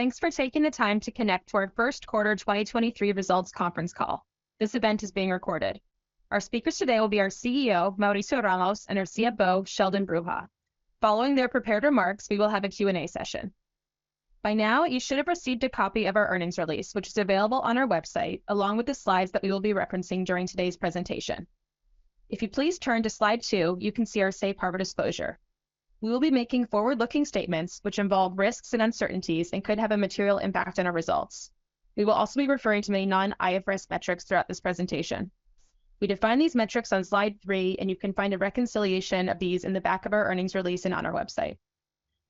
Thanks for taking the time to connect to our First Quarter 2023 Results Conference Call. This event is being recorded. Our speakers today will be our CEO, Mauricio Ramos, and our CFO, Sheldon Bruha. Following their prepared remarks, we will have a Q&A session. By now, you should have received a copy of our earnings release, which is available on our website, along with the slides that we will be referencing during today's presentation. If you please turn to slide two, you can see our Safe Harbor disclosure. We will be making forward-looking statements which involve risks and uncertainties, and could have a material impact on our results. We will also be referring to many Non-IFRS metrics throughout this presentation. We define these metrics on slide three, and you can find a reconciliation of these in the back of our earnings release and on our website.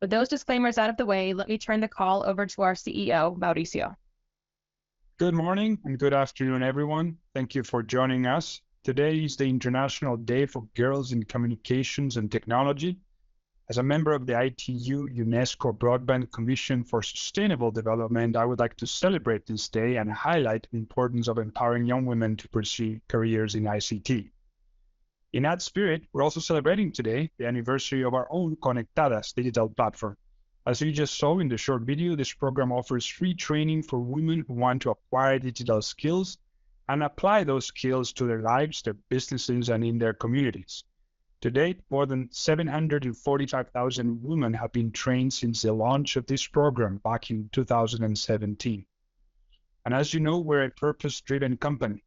With those disclaimers out of the way, let me turn the call over to our CEO, Mauricio. Good morning and good afternoon, everyone. Thank you for joining us. Today is International Day for Girls in Communication and Technology. As a member of the ITU UNESCO Broadband Commission for Sustainable Development, I would like to celebrate this day and highlight the importance of empowering young women to pursue careers in ICT. In that spirit, we're also celebrating today the anniversary of our own Conectadas digital platform. As you just saw in the short video, this program offers free training for women who want to acquire digital skills and apply those skills to their lives, their businesses, and in their communities. To date, more than 745,000 women have been trained since the launch of this program back in 2017. As you know, we're a purpose-driven company,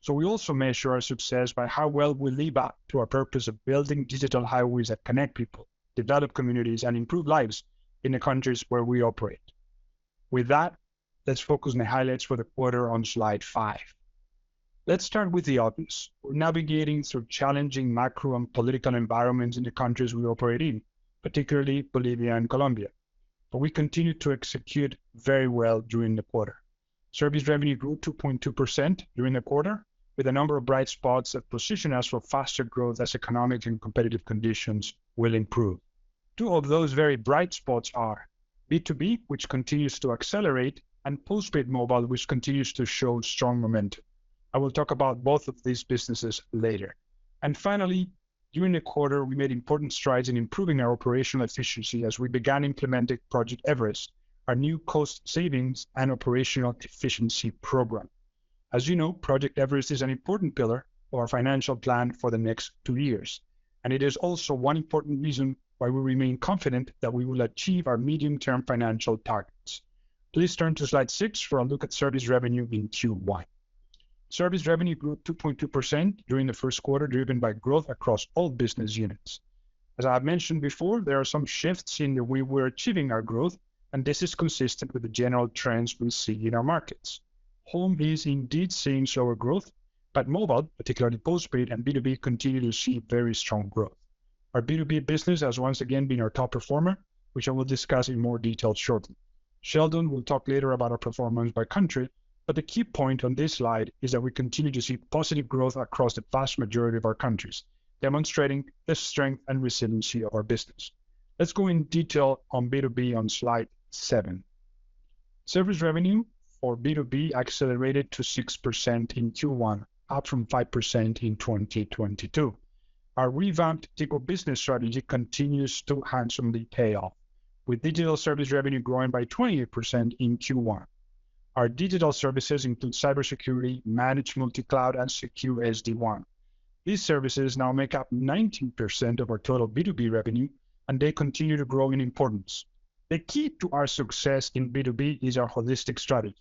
so we also measure our success by how well we live up to our purpose of building digital highways that connect people, develop communities, and improve lives in the countries where we operate. With that, let's focus on the highlights for the quarter on slide five. Let's start with the obvious. We're navigating through challenging macro and political environments in the countries we operate in, particularly Bolivia and Colombia, but we continued to execute very well during the quarter. Service revenue grew 2.2% during the quarter, with a number of bright spots that position us for faster growth as economic and competitive conditions will improve. Two of those very bright spots are B2B, which continues to accelerate, and postpaid mobile, which continues to show strong momentum. I will talk about both of these businesses later. Finally, during the quarter, we made important strides in improving our operational efficiency as we began implementing Project Everest, our new cost savings and operational efficiency program. As you know, Project Everest is an important pillar of our financial plan for the next two years, and it is also one important reason why we remain confident that we will achieve our medium-term financial targets. Please turn to slide six for a look at service revenue in Q1. Service revenue grew 2.2% during the first quarter, driven by growth across all business units. As I have mentioned before, there are some shifts in the way we're achieving our growth, and this is consistent with the general trends we see in our markets. Home is indeed seeing slower growth, but mobile, particularly postpaid and B2B, continue to see very strong growth. Our B2B business has once again been our top performer, which I will discuss in more detail shortly. Sheldon will talk later about our performance by country. The key point on this slide is that we continue to see positive growth across the vast majority of our countries, demonstrating the strength and resiliency of our business. Let's go in detail on B2B on slide seven. Service revenue for B2B accelerated to 6% in Q1, up from 5% in 2022. Our revamped digital business strategy continues to handsomely pay off, with digital service revenue growing by 28% in Q1. Our digital services include cybersecurity, managed multi-cloud, and secure SD-WAN. These services now make up 19% of our total B2B revenue. They continue to grow in importance. The key to our success in B2B is our holistic strategy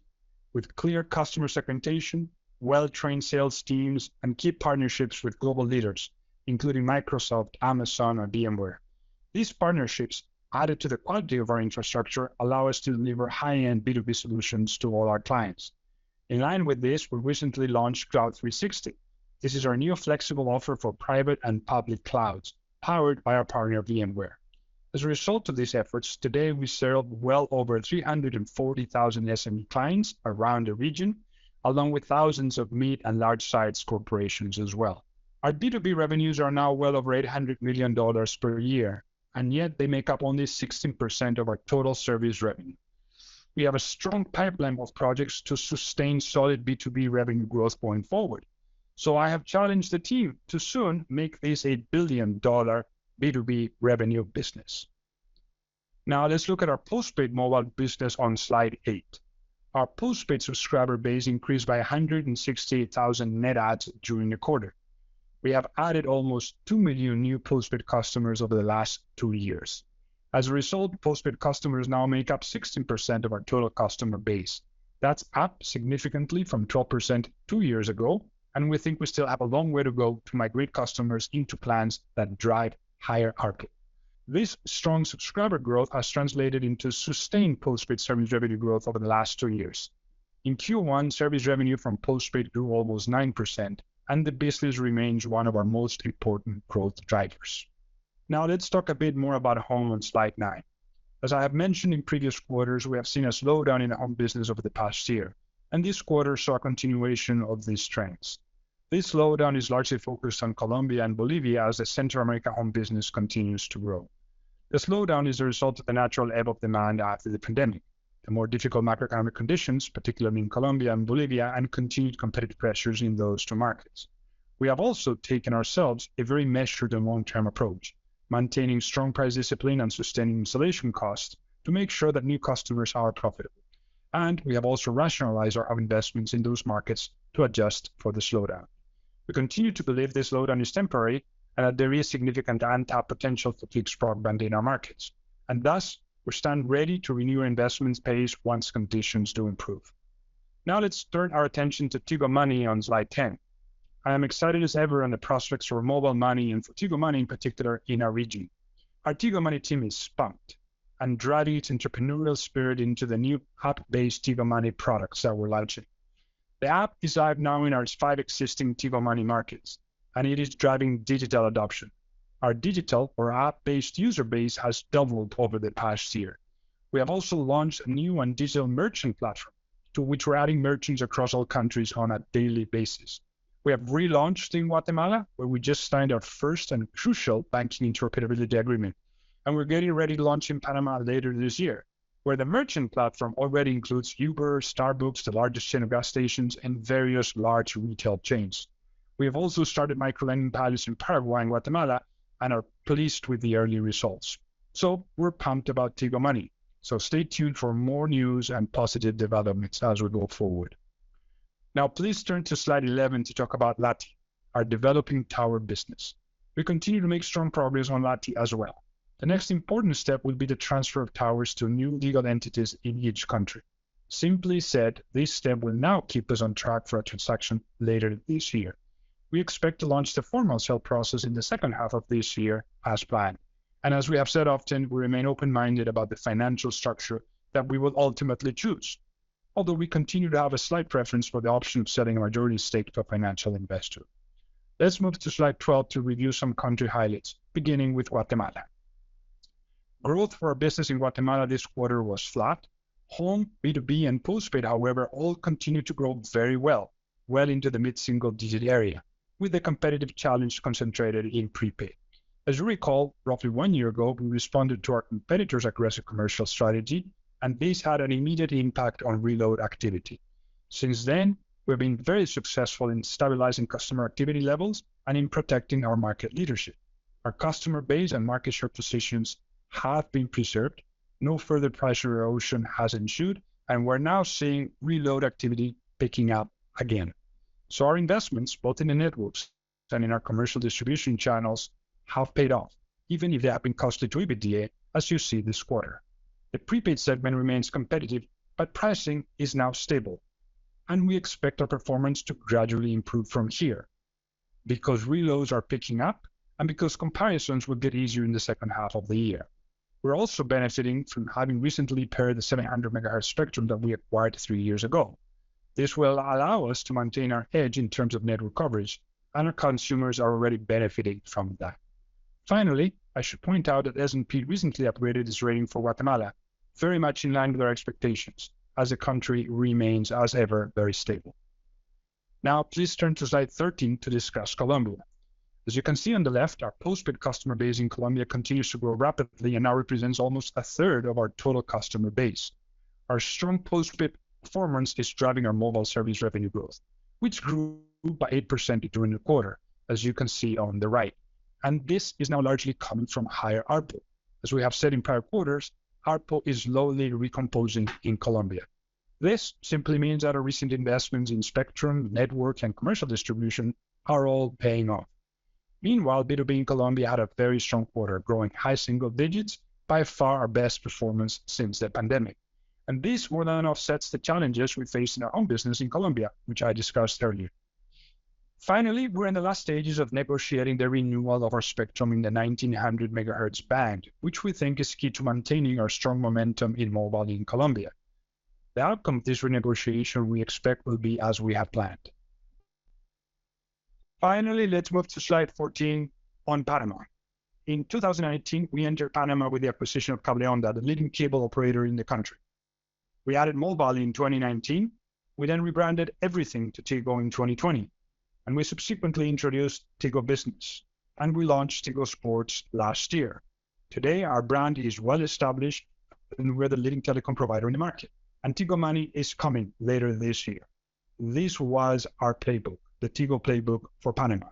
with clear customer segmentation, well-trained sales teams, and key partnerships with global leaders, including Microsoft, Amazon, and VMware. These partnerships, added to the quality of our infrastructure, allow us to deliver high-end B2B solutions to all our clients. In line with this, we recently launched Cloud 360. This is our new flexible offer for private and public clouds, powered by our partner VMware. As a result of these efforts, today we serve well over 340,000 SME clients around the region, along with thousands of mid and large-sized corporations as well. Our B2B revenues are now well over $800 million per year, and yet they make up only 16% of our total service revenue. We have a strong pipeline of projects to sustain solid B2B revenue growth going forward. I have challenged the team to soon make this a billion-dollar B2B revenue business. Let's look at our postpaid mobile business on slide eight. Our postpaid subscriber base increased by 168,000 net adds during the quarter. We have added almost 2 million new postpaid customers over the last two years. As a result, postpaid customers now make up 16% of our total customer base. That's up significantly from 12% two years ago, and we think we still have a long way to go to migrate customers into plans that drive higher ARPU. This strong subscriber growth has translated into sustained postpaid service revenue growth over the last two years. In Q1, service revenue from postpaid grew almost 9%, and the business remains one of our most important growth drivers. Let's talk a bit more about home on slide nine. As I have mentioned in previous quarters, we have seen a slowdown in the home business over the past year, and this quarter saw a continuation of these trends. This slowdown is largely focused on Colombia and Bolivia, as the Central America home business continues to grow. The slowdown is a result of the natural ebb of demand after the pandemic, the more difficult macroeconomic conditions, particularly in Colombia and Bolivia, and continued competitive pressures in those two markets. We have also taken ourselves a very measured and long-term approach, maintaining strong price discipline and sustaining installation costs to make sure that new customers are profitable. We have also rationalized our investments in those markets to adjust for the slowdown. We continue to believe this slowdown is temporary and that there is significant untapped potential for fixed broadband in our markets. Thus, we stand ready to renew our investments pace once conditions do improve. Let's turn our attention to Tigo Money on slide 10. I am excited as ever on the prospects for mobile money and for Tigo Money in particular in our region. Our Tigo Money team is spunked and driving its entrepreneurial spirit into the new app-based Tigo Money products that we're launching. The app is live now in our five existing Tigo Money markets, and it is driving digital adoption. Our digital or app-based user base has doubled over the past year. We have also launched a new and digital merchant platform to which we're adding merchants across all countries on a daily basis. We have relaunched in Guatemala, where we just signed our first and crucial banking interoperability agreement. We're getting ready to launch in Panama later this year, where the merchant platform already includes Uber, Starbucks, the largest chain of gas stations, and various large retail chains. We have also started micro-lending pilots in Paraguay and Guatemala and are pleased with the early results. We're pumped about Tigo Money, so stay tuned for more news and positive developments as we go forward. Please turn to slide 11 to talk about Lati, our developing tower business. We continue to make strong progress on Lati as well. The next important step will be the transfer of towers to new legal entities in each country. Simply said, this step will now keep us on track for a transaction later this year. We expect to launch the formal sale process in the second half of this year as planned. As we have said often, we remain open-minded about the financial structure that we will ultimately choose. Although we continue to have a slight preference for the option of selling a majority stake to a financial investor. Let's move to slide 12 to review some country highlights, beginning with Guatemala. Growth for our business in Guatemala this quarter was flat. Home, B2B, and postpaid, however, all continued to grow very well, well into the mid-single digit area, with the competitive challenge concentrated in prepaid. As you recall, roughly one year ago, we responded to our competitor's aggressive commercial strategy, and this had an immediate impact on reload activity. Since then, we've been very successful in stabilizing customer activity levels and in protecting our market leadership. Our customer base and market share positions have been preserved, no further price erosion has ensued, we're now seeing reload activity picking up again. Our investments, both in the networks and in our commercial distribution channels, have paid off, even if they have been costly to EBITDA, as you see this quarter. The prepaid segment remains competitive, pricing is now stable, we expect our performance to gradually improve from here because reloads are picking up and because comparisons will get easier in the second half of the year. We're also benefiting from having recently paired the 700 MHz spectrum that we acquired three years ago. This will allow us to maintain our edge in terms of network coverage, our consumers are already benefiting from that. Finally, I should point out that S&P recently upgraded its rating for Guatemala, very much in line with our expectations, as the country remains, as ever, very stable. Please turn to slide 13 to discuss Colombia. As you can see on the left, our postpaid customer base in Colombia continues to grow rapidly and now represents almost a third of our total customer base. Our strong postpaid performance is driving our mobile service revenue growth, which grew by 8% during the quarter, as you can see on the right. This is now largely coming from higher ARPU. As we have said in prior quarters, ARPU is slowly recomposing in Colombia. This simply means that our recent investments in spectrum, network, and commercial distribution are all paying off. B2B in Colombia had a very strong quarter, growing high single digits, by far our best performance since the pandemic. This more than offsets the challenges we face in our home business in Colombia, which I discussed earlier. We're in the last stages of negotiating the renewal of our spectrum in the 1900 MHz band, which we think is key to maintaining our strong momentum in mobile in Colombia. The outcome of this renegotiation, we expect, will be as we have planned. Let's move to slide 14 on Panama. In 2018, we entered Panama with the acquisition of Cable Onda, the leading cable operator in the country. We added mobile in 2019. We rebranded everything to Tigo in 2020, and we subsequently introduced Tigo Business, and we launched Tigo Sports last year. Today, our brand is well established, we're the leading telecom provider in the market. Tigo Money is coming later this year. This was our playbook, the Tigo playbook for Panama.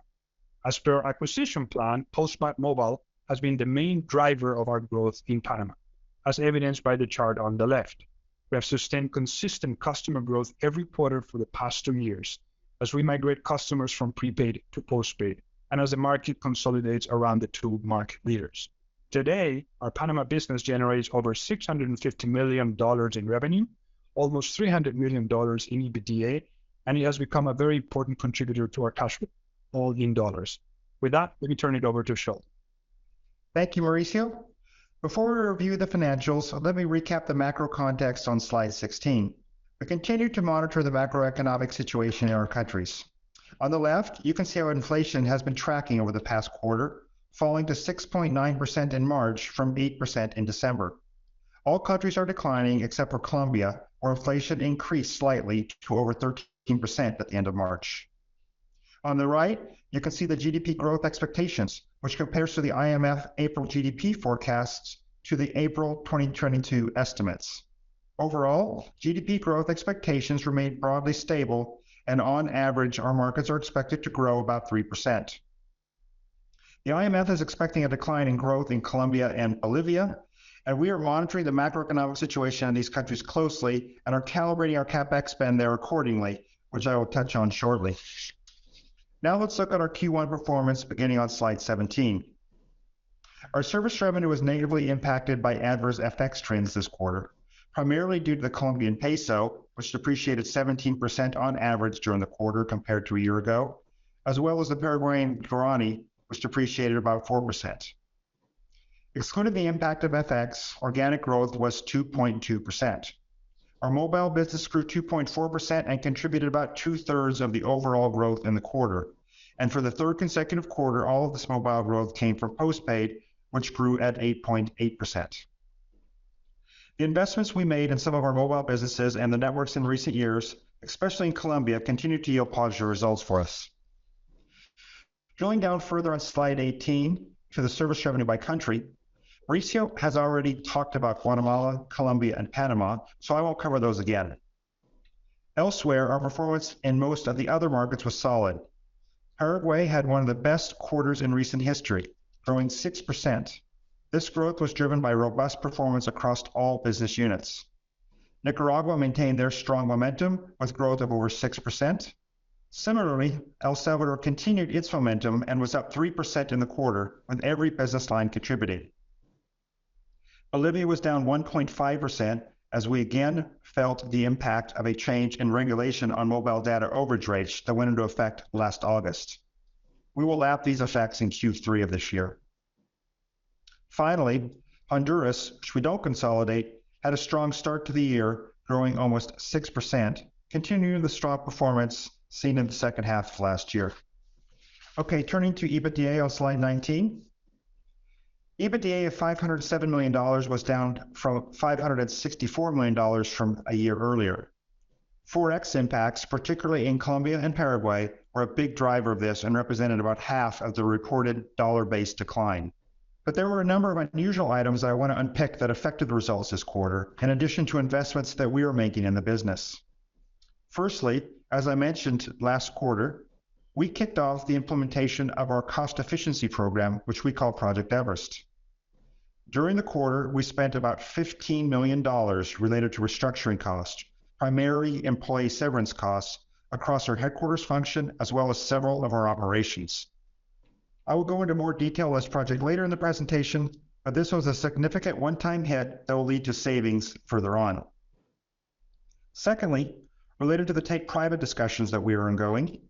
As per our acquisition plan, postpaid mobile has been the main driver of our growth in Panama, as evidenced by the chart on the left. We have sustained consistent customer growth every quarter for the past two years as we migrate customers from prepaid to postpaid and as the market consolidates around the two market leaders. Today, our Panama business generates over $650 million in revenue, almost $300 million in EBITDA, and it has become a very important contributor to our cash flow, all in dollars. With that, let me turn it over to Sheldon. Thank you, Mauricio. Before we review the financials, let me recap the macro context on slide 16. We continue to monitor the macroeconomic situation in our countries. On the left, you can see how inflation has been tracking over the past quarter, falling to 6.9% in March from 8% in December. All countries are declining except for Colombia, where inflation increased slightly to over 13% at the end of March. On the right, you can see the GDP growth expectations, which compares to the IMF April GDP forecasts to the April 2022 estimates. Overall, GDP growth expectations remain broadly stable and on average, our markets are expected to grow about 3%. The IMF is expecting a decline in growth in Colombia and Bolivia, and we are monitoring the macroeconomic situation in these countries closely and are calibrating our CapEx spend there accordingly, which I will touch on shortly. Let's look at our Q1 performance beginning on slide 17. Our service revenue was negatively impacted by adverse FX trends this quarter, primarily due to the Colombian peso, which depreciated 17% on average during the quarter compared to a year ago, as well as the Paraguayan guaraní, which depreciated about 4%. Excluded the impact of FX, organic growth was 2.2%. Our mobile business grew 2.4% and contributed about 2/3 of the overall growth in the quarter. For the third consecutive quarter, all of this mobile growth came from postpaid, which grew at 8.8%. The investments we made in some of our mobile businesses and the networks in recent years, especially in Colombia, continue to yield positive results for us. Drilling down further on slide 18 to the service revenue by country. Mauricio has already talked about Guatemala, Colombia, and Panama. I won't cover those again. Elsewhere, our performance in most of the other markets was solid. Paraguay had one of the best quarters in recent history, growing 6%. This growth was driven by robust performance across all business units. Nicaragua maintained their strong momentum with growth of over 6%. Similarly, El Salvador continued its momentum and was up 3% in the quarter, with every business line contributing. Bolivia was down 1.5% as we again felt the impact of a change in regulation on mobile data overage rates that went into effect last August. We will lap these effects in Q3 of this year. Finally, Honduras, which we don't consolidate, had a strong start to the year, growing almost 6%, continuing the strong performance seen in the second half of last year. Okay, turning to EBITDA on slide 19. EBITDA of $507 million was down from $564 million from a year earlier. Forex impacts, particularly in Colombia and Paraguay, were a big driver of this and represented about half of the reported dollar-based decline. There were a number of unusual items that I want to unpick that affected the results this quarter, in addition to investments that we are making in the business. Firstly, as I mentioned last quarter, we kicked off the implementation of our cost efficiency program, which we call Project Everest. During the quarter, we spent about $15 million related to restructuring costs, primarily employee severance costs across our headquarters function, as well as several of our operations. I will go into more detail on this project later in the presentation, but this was a significant one-time hit that will lead to savings further on. Secondly, related to the take-private discussions that we are ongoing,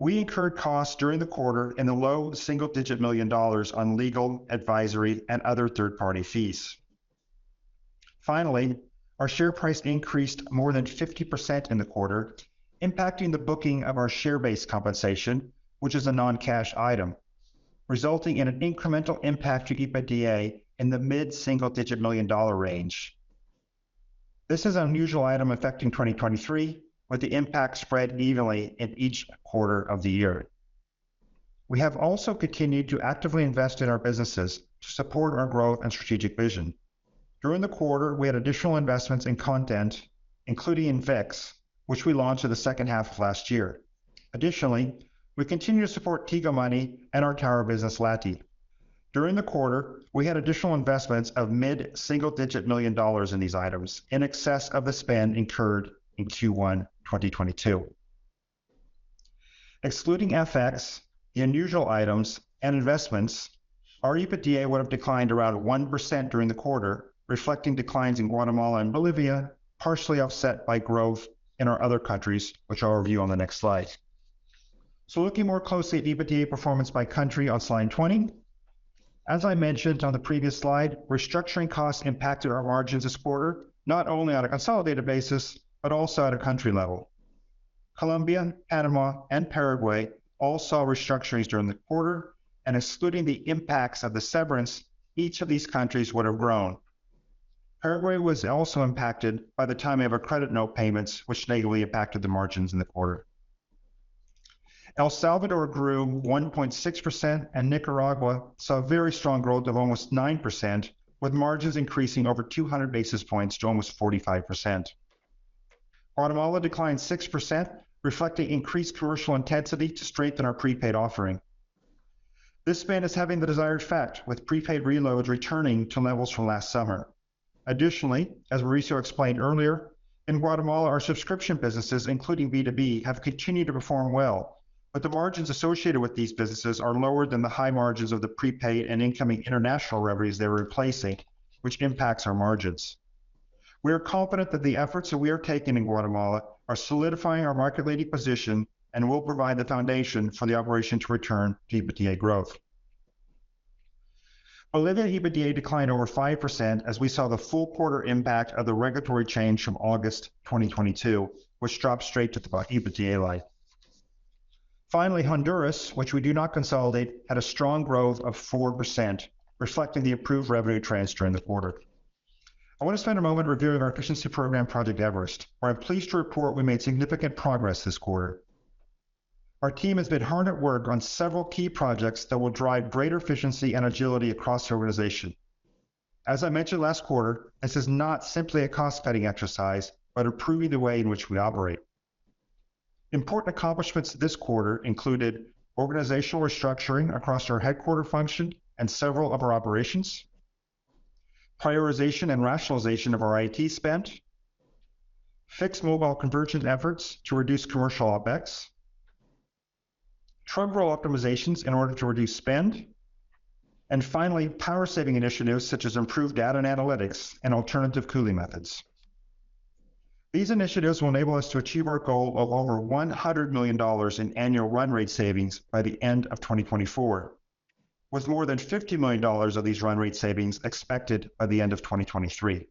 we incurred costs during the quarter in the low single digit million dollar on legal, advisory, and other third-party fees. Finally, our share price increased more than 50% in the quarter, impacting the booking of our share-based compensation, which is a non-cash item, resulting in an incremental impact to EBITDA in the mid single digit million dollar range. This is an unusual item affecting 2023, with the impact spread evenly in each quarter of the year. We have also continued to actively invest in our businesses to support our growth and strategic vision. During the quarter, we had additional investments in content, including in ViX, which we launched in the second half of last year. We continue to support Tigo Money and our tower business, Lati. During the quarter, we had additional investments of mid single digit million dollars in these items, in excess of the spend incurred in Q1 2022. Excluding FX, the unusual items and investments, our EBITDA would have declined around 1% during the quarter, reflecting declines in Guatemala and Bolivia, partially offset by growth in our other countries, which I'll review on the next slide. Looking more closely at EBITDA performance by country on slide 20. As I mentioned on the previous slide, restructuring costs impacted our margins this quarter, not only on a consolidated basis, but also at a country level. Colombia, Panama, and Paraguay all saw restructurings during the quarter. Excluding the impacts of the severance, each of these countries would have grown. Paraguay was also impacted by the timing of our credit note payments, which negatively impacted the margins in the quarter. El Salvador grew 1.6%. Nicaragua saw a very strong growth of almost 9%, with margins increasing over 200 basis points to almost 45%. Guatemala declined 6%, reflecting increased commercial intensity to strengthen our prepaid offering. This spend is having the desired effect, with prepaid reloads returning to levels from last summer. As Mauricio explained earlier, in Guatemala, our subscription businesses, including B2B, have continued to perform well, but the margins associated with these businesses are lower than the high margins of the prepaid and incoming international revenues they're replacing, which impacts our margins. We are confident that the efforts that we are taking in Guatemala are solidifying our market-leading position and will provide the foundation for the operation to return to EBITDA growth. Bolivia EBITDA declined over 5% as we saw the full quarter impact of the regulatory change from August 2022, which dropped straight to the EBITDA line. Finally, Honduras, which we do not consolidate, had a strong growth of 4%, reflecting the approved revenue transfer in the quarter. I want to spend a moment reviewing our efficiency program, Project Everest, where I'm pleased to report we made significant progress this quarter. Our team has been hard at work on several key projects that will drive greater efficiency and agility across the organization. As I mentioned last quarter, this is not simply a cost-cutting exercise, but improving the way in which we operate. Important accomplishments this quarter included organizational restructuring across our headquarter function and several of our operations, prioritization and rationalization of our IT spend, fixed mobile convergent efforts to reduce commercial OpEx, travel optimizations in order to reduce spend, and finally, power saving initiatives such as improved data and analytics and alternative cooling methods. These initiatives will enable us to achieve our goal of over $100 million in annual run rate savings by the end of 2024, with more than $50 million of these run rate savings expected by the end of 2023.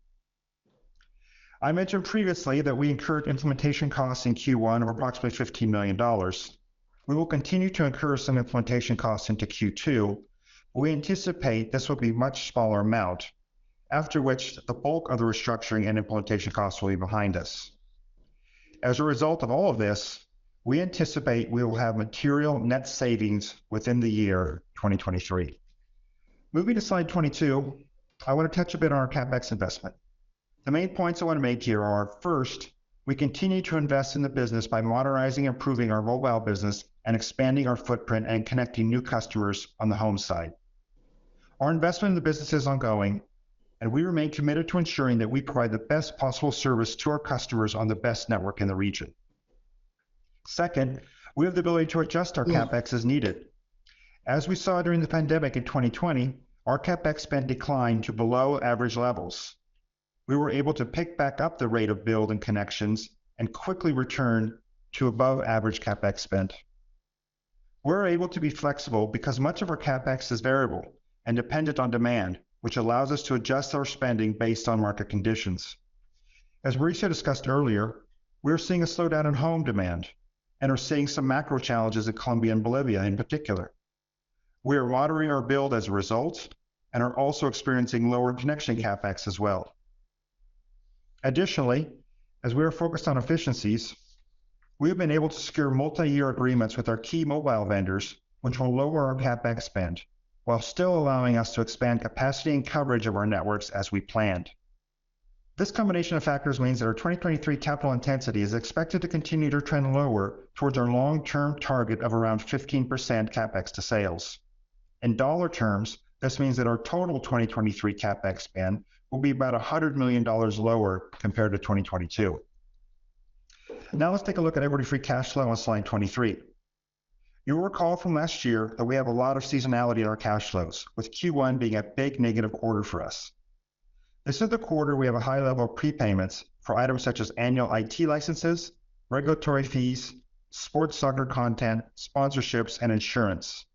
I mentioned previously that we incurred implementation costs in Q1 of approximately $15 million. We will continue to incur some implementation costs into Q2. We anticipate this will be much smaller amount, after which the bulk of the restructuring and implementation costs will be behind us. As a result of all of this, we anticipate we will have material net savings within the year 2023. Moving to slide 22, I wanna touch a bit on our CapEx investment. The main points I wanna make here are, first, we continue to invest in the business by modernizing and improving our mobile business and expanding our footprint and connecting new customers on the home side. Our investment in the business is ongoing. We remain committed to ensuring that we provide the best possible service to our customers on the best network in the region. Second, we have the ability to adjust our CapEx as needed. As we saw during the pandemic in 2020, our CapEx spend declined to below average levels. We were able to pick back up the rate of build and connections and quickly return to above average CapEx spend. We're able to be flexible because much of our CapEx is variable and dependent on demand, which allows us to adjust our spending based on market conditions. As Mauricio discussed earlier, we're seeing a slowdown in home demand and are seeing some macro challenges at Colombia and Bolivia in particular. We are moderating our build as a result and are also experiencing lower connection CapEx as well. Additionally, as we are focused on efficiencies, we have been able to secure multi-year agreements with our key mobile vendors, which will lower our CapEx spend while still allowing us to expand capacity and coverage of our networks as we planned. This combination of factors means that our 2023 capital intensity is expected to continue to trend lower towards our long-term target of around 15% CapEx to sales. In dollar terms, this means that our total 2023 CapEx spend will be about $100 million lower compared to 2022. Let's take a look at equity free cash flow on slide 23. You'll recall from last year that we have a lot of seasonality in our cash flows, with Q1 being a big negative quarter for us. This is the quarter we have a high level of prepayments for items such as annual IT licenses, regulatory fees, sports soccer content, sponsorships, and insurance.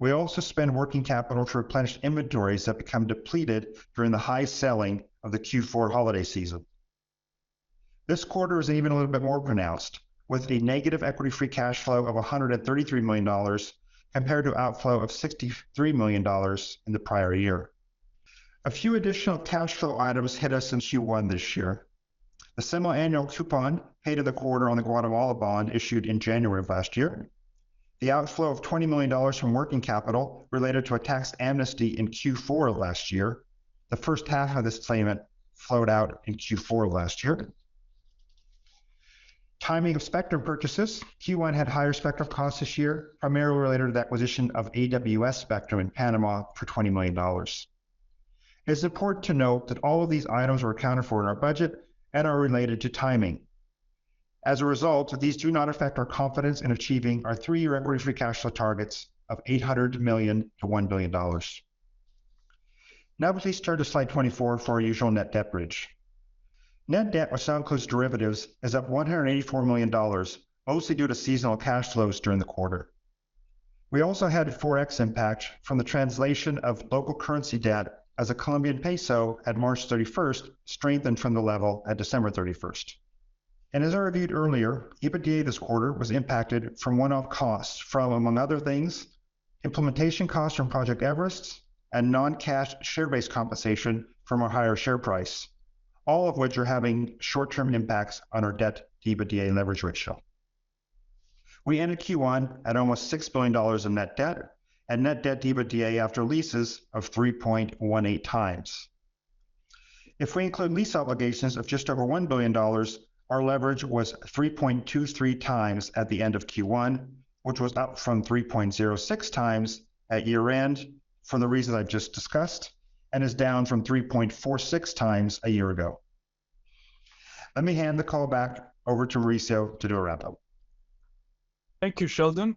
We also spend working capital to replenish inventories that become depleted during the high selling of the Q4 holiday season. This quarter is even a little bit more pronounced, with a negative equity free cash flow of $133 million compared to outflow of $63 million in the prior year. A few additional cash flow items hit us in Q1 this year. The semiannual coupon paid in the quarter on the Guatemala bond issued in January of last year. The outflow of $20 million from working capital related to a tax amnesty in Q4 last year. The first half of this payment flowed out in Q4 last year. Timing of spectrum purchases. Q1 had higher spectrum costs this year, primarily related to the acquisition of AWS spectrum in Panama for $20 million. It's important to note that all of these items were accounted for in our budget and are related to timing. As a result, these do not affect our confidence in achieving our three-year equity free cash flow targets of $800 million-$1 billion. Please turn to slide 24 for our usual net debt bridge. Net debt with cross-currency derivatives is up $184 million, mostly due to seasonal cash flows during the quarter. We also had Forex impact from the translation of local currency debt as a Colombian peso at March 31st strengthened from the level at December 31st. As I reviewed earlier, EBITDA this quarter was impacted from one-off costs from, among other things, implementation costs from Project Everest and non-cash share-based compensation from our higher share price, all of which are having short-term impacts on our debt EBITDA leverage ratio. We ended Q1 at almost $6 billion in net debt, and net debt EBITDA after leases of 3.18x. If we include lease obligations of just over $1 billion, our leverage was 3.23x at the end of Q1, which was up from 3.06x at year-end for the reasons I've just discussed, and is down from 3.46x a year ago. Let me hand the call back over to Mauricio to do a wrap-up. Thank you, Sheldon.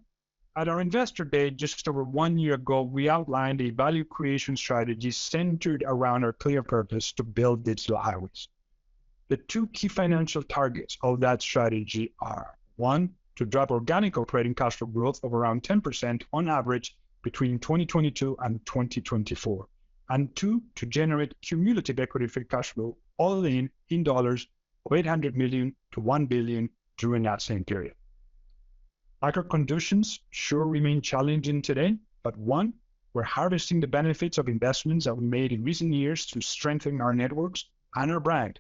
At our Investor Day just over one year ago, we outlined a value creation strategy centered around our clear purpose to build digital highways. The two key financial targets of that strategy are, one, to drive organic operating cash flow growth of around 10% on average between 2022 and 2024, and two, to generate cumulative equity free cash flow all in dollars of $800 million-$1 billion during that same period. Macro conditions sure remain challenging today, one, we're harvesting the benefits of investments that we made in recent years to strengthen our networks and our brand.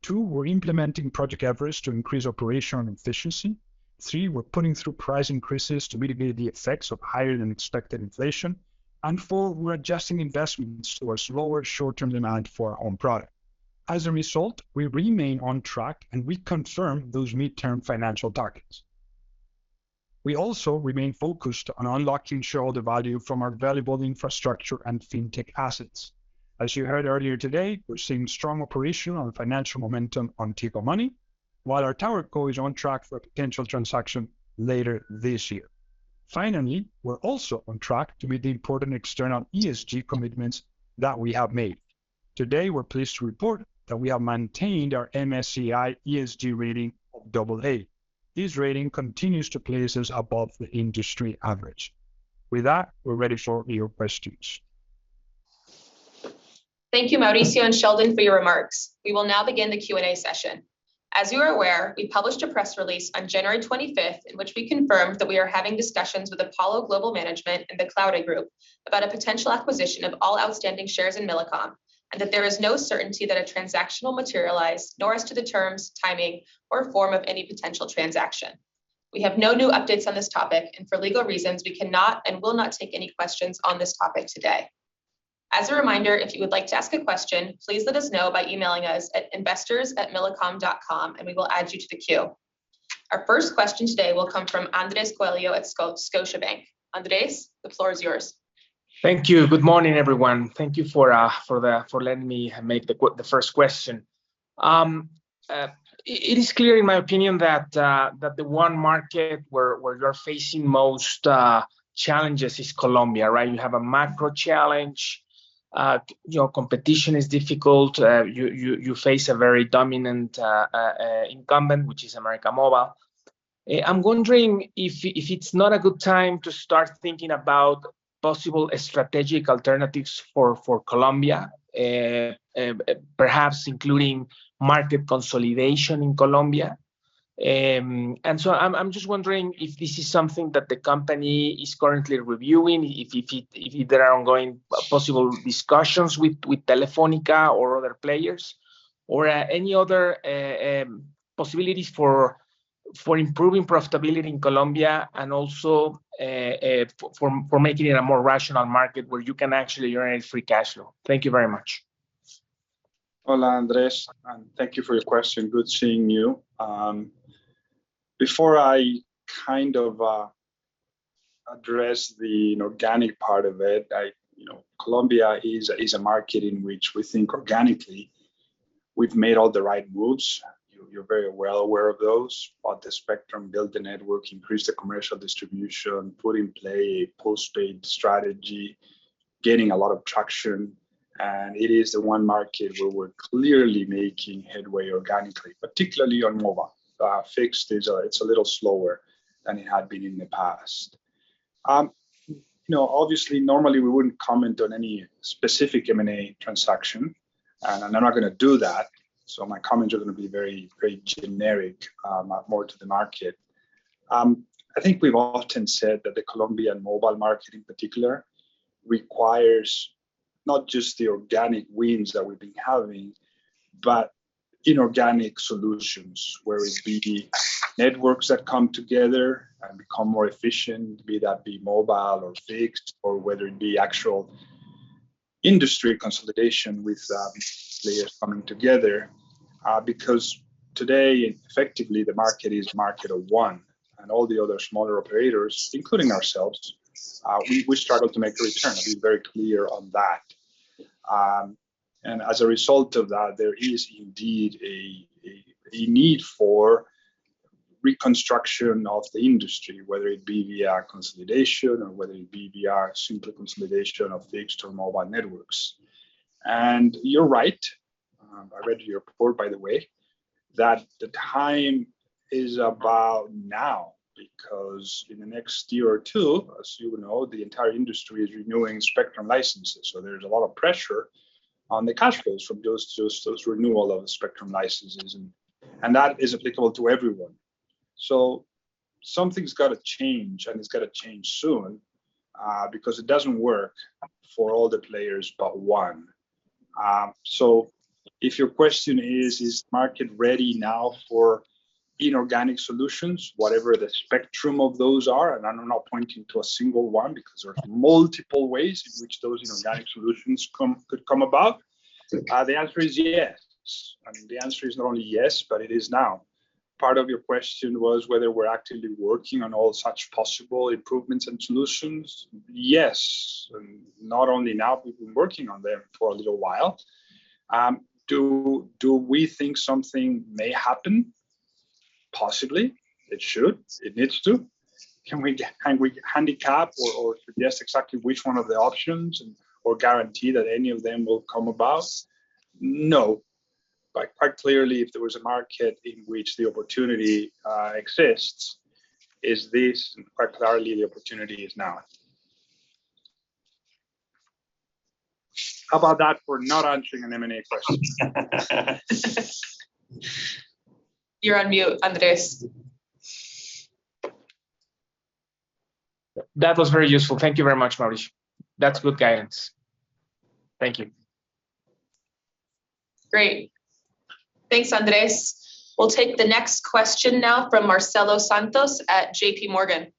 Two, we're implementing Project Everest to increase operational efficiency. Three, we're putting through price increases to mitigate the effects of higher than expected inflation. Four, we're adjusting investments towards lower short-term demand for our own product. As a result, we remain on track and we confirm those midterm financial targets. We also remain focused on unlocking shareholder value from our valuable infrastructure and fintech assets. As you heard earlier today, we're seeing strong operational and financial momentum on Tigo Money, while our towerco is on track for a potential transaction later this year. Finally, we're also on track to meet the important external ESG commitments that we have made. Today, we're pleased to report that we have maintained our MSCI ESG rating of AA. This rating continues to place us above the industry average. With that, we're ready for your questions. Thank you, Mauricio and Sheldon, for your remarks. We will now begin the Q&A session. As you are aware, we published a press release on January 25th in which we confirmed that we are having discussions with Apollo Global Management and the Claure Group about a potential acquisition of all outstanding shares in Millicom, and that there is no certainty that a transaction will materialize, nor as to the terms, timing, or form of any potential transaction. We have no new updates on this topic, and for legal reasons, we cannot and will not take any questions on this topic today. As a reminder, if you would like to ask a question, please let us know by emailing us at investors@millicom.com, and we will add you to the queue. Our first question today will come from Andres Coello at Scotiabank. Andres, the floor is yours. Thank you. Good morning, everyone. Thank you for letting me make the first question. It is clear in my opinion that the one market where you're facing most challenges is Colombia, right? You have a macro challenge. Your competition is difficult. You face a very dominant incumbent, which is América Móvil. I'm wondering if it's not a good time to start thinking about possible strategic alternatives for Colombia, perhaps including market consolidation in Colombia. I'm just wondering if this is something that the company is currently reviewing, if there are ongoing possible discussions with Telefónica or other players, or any other possibilities for improving profitability in Colombia and also for making it a more rational market where you can actually earn free cash flow. Thank you very much. Hola, Andres, and thank you for your question. Good seeing you. Before I kind of address the inorganic part of it, You know, Colombia is a market in which we think organically we've made all the right moves. You're very well aware of those. Bought the spectrum, built the network, increased the commercial distribution, put in play postpaid strategy, gaining a lot of traction. It is the one market where we're clearly making headway organically, particularly on mobile. Fixed is, it's a little slower than it had been in the past. You know, obviously, normally we wouldn't comment on any specific M&A transaction, and I'm not gonna do that. My comments are gonna be very, very generic, more to the market. I think we've often said that the Colombian mobile market in particular requires not just the organic wins that we've been having, but inorganic solutions, whether it be networks that come together and become more efficient, be that mobile or fixed, or whether it be actual industry consolidation with players coming together. Because today, effectively, the market is a market of one, and all the other smaller operators, including ourselves, we struggle to make the return. I'll be very clear on that. As a result of that, there is indeed a need for reconstruction of the industry, whether it be via consolidation or whether it be via simple consolidation of the external mobile networks. You're right, I read your report by the way, that the time is about now, because in the next year or two, as you know, the entire industry is renewing spectrum licenses. There's a lot of pressure on the cash flows from those renewal of the spectrum licenses and that is applicable to everyone. Something's gotta change, and it's gotta change soon, because it doesn't work for all the players but one. If your question is the market ready now for inorganic solutions, whatever the spectrum of those are, and I'm not pointing to a single one because there are multiple ways in which those inorganic solutions could come about, the answer is yes. I mean, the answer is not only yes, but it is now. Part of your question was whether we're actively working on all such possible improvements and solutions. Yes. Not only now, we've been working on them for a little while. Do we think something may happen? Possibly. It should. It needs to. Can we handicap or suggest exactly which one of the options or guarantee that any of them will come about? No. Quite clearly, if there was a market in which the opportunity exists, is this quite clearly the opportunity is now. How about that for not answering an M&A question? You're on mute, Andres. That was very useful. Thank you very much, Mauricio. That's good guidance. Thank you. Great. Thanks, Andres. We'll take the next question now from Marcelo Santos at JPMorgan.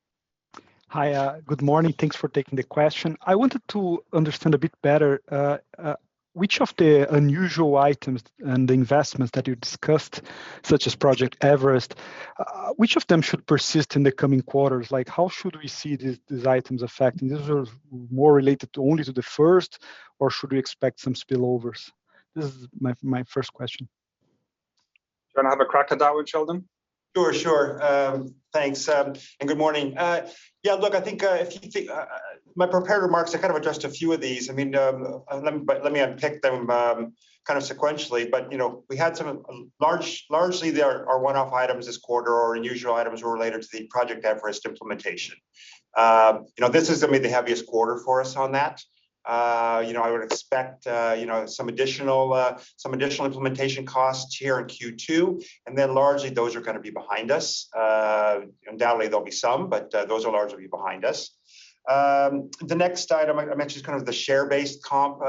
Hi, good morning. Thanks for taking the question. I wanted to understand a bit better which of the unusual items and the investments that you discussed, such as Project Everest, which of them should persist in the coming quarters? Like, how should we see these items affecting? These are more related to only to the first, or should we expect some spillovers? This is my first question. Do you want to have a crack at that one, Sheldon? Sure, sure. Thanks, and good morning. Yeah, look, I think, if you think. My prepared remarks are kind of addressed a few of these. I mean, let me unpick them kind of sequentially. You know, we had some largely they are one-off items this quarter or unusual items related to the Project Everest implementation. You know, this is gonna be the heaviest quarter for us on that. You know, I would expect, you know, some additional, some additional implementation costs here in Q2, and then largely those are gonna be behind us. Undoubtedly there'll be some, but those will largely be behind us. The next item I mentioned is kind of the share-based comp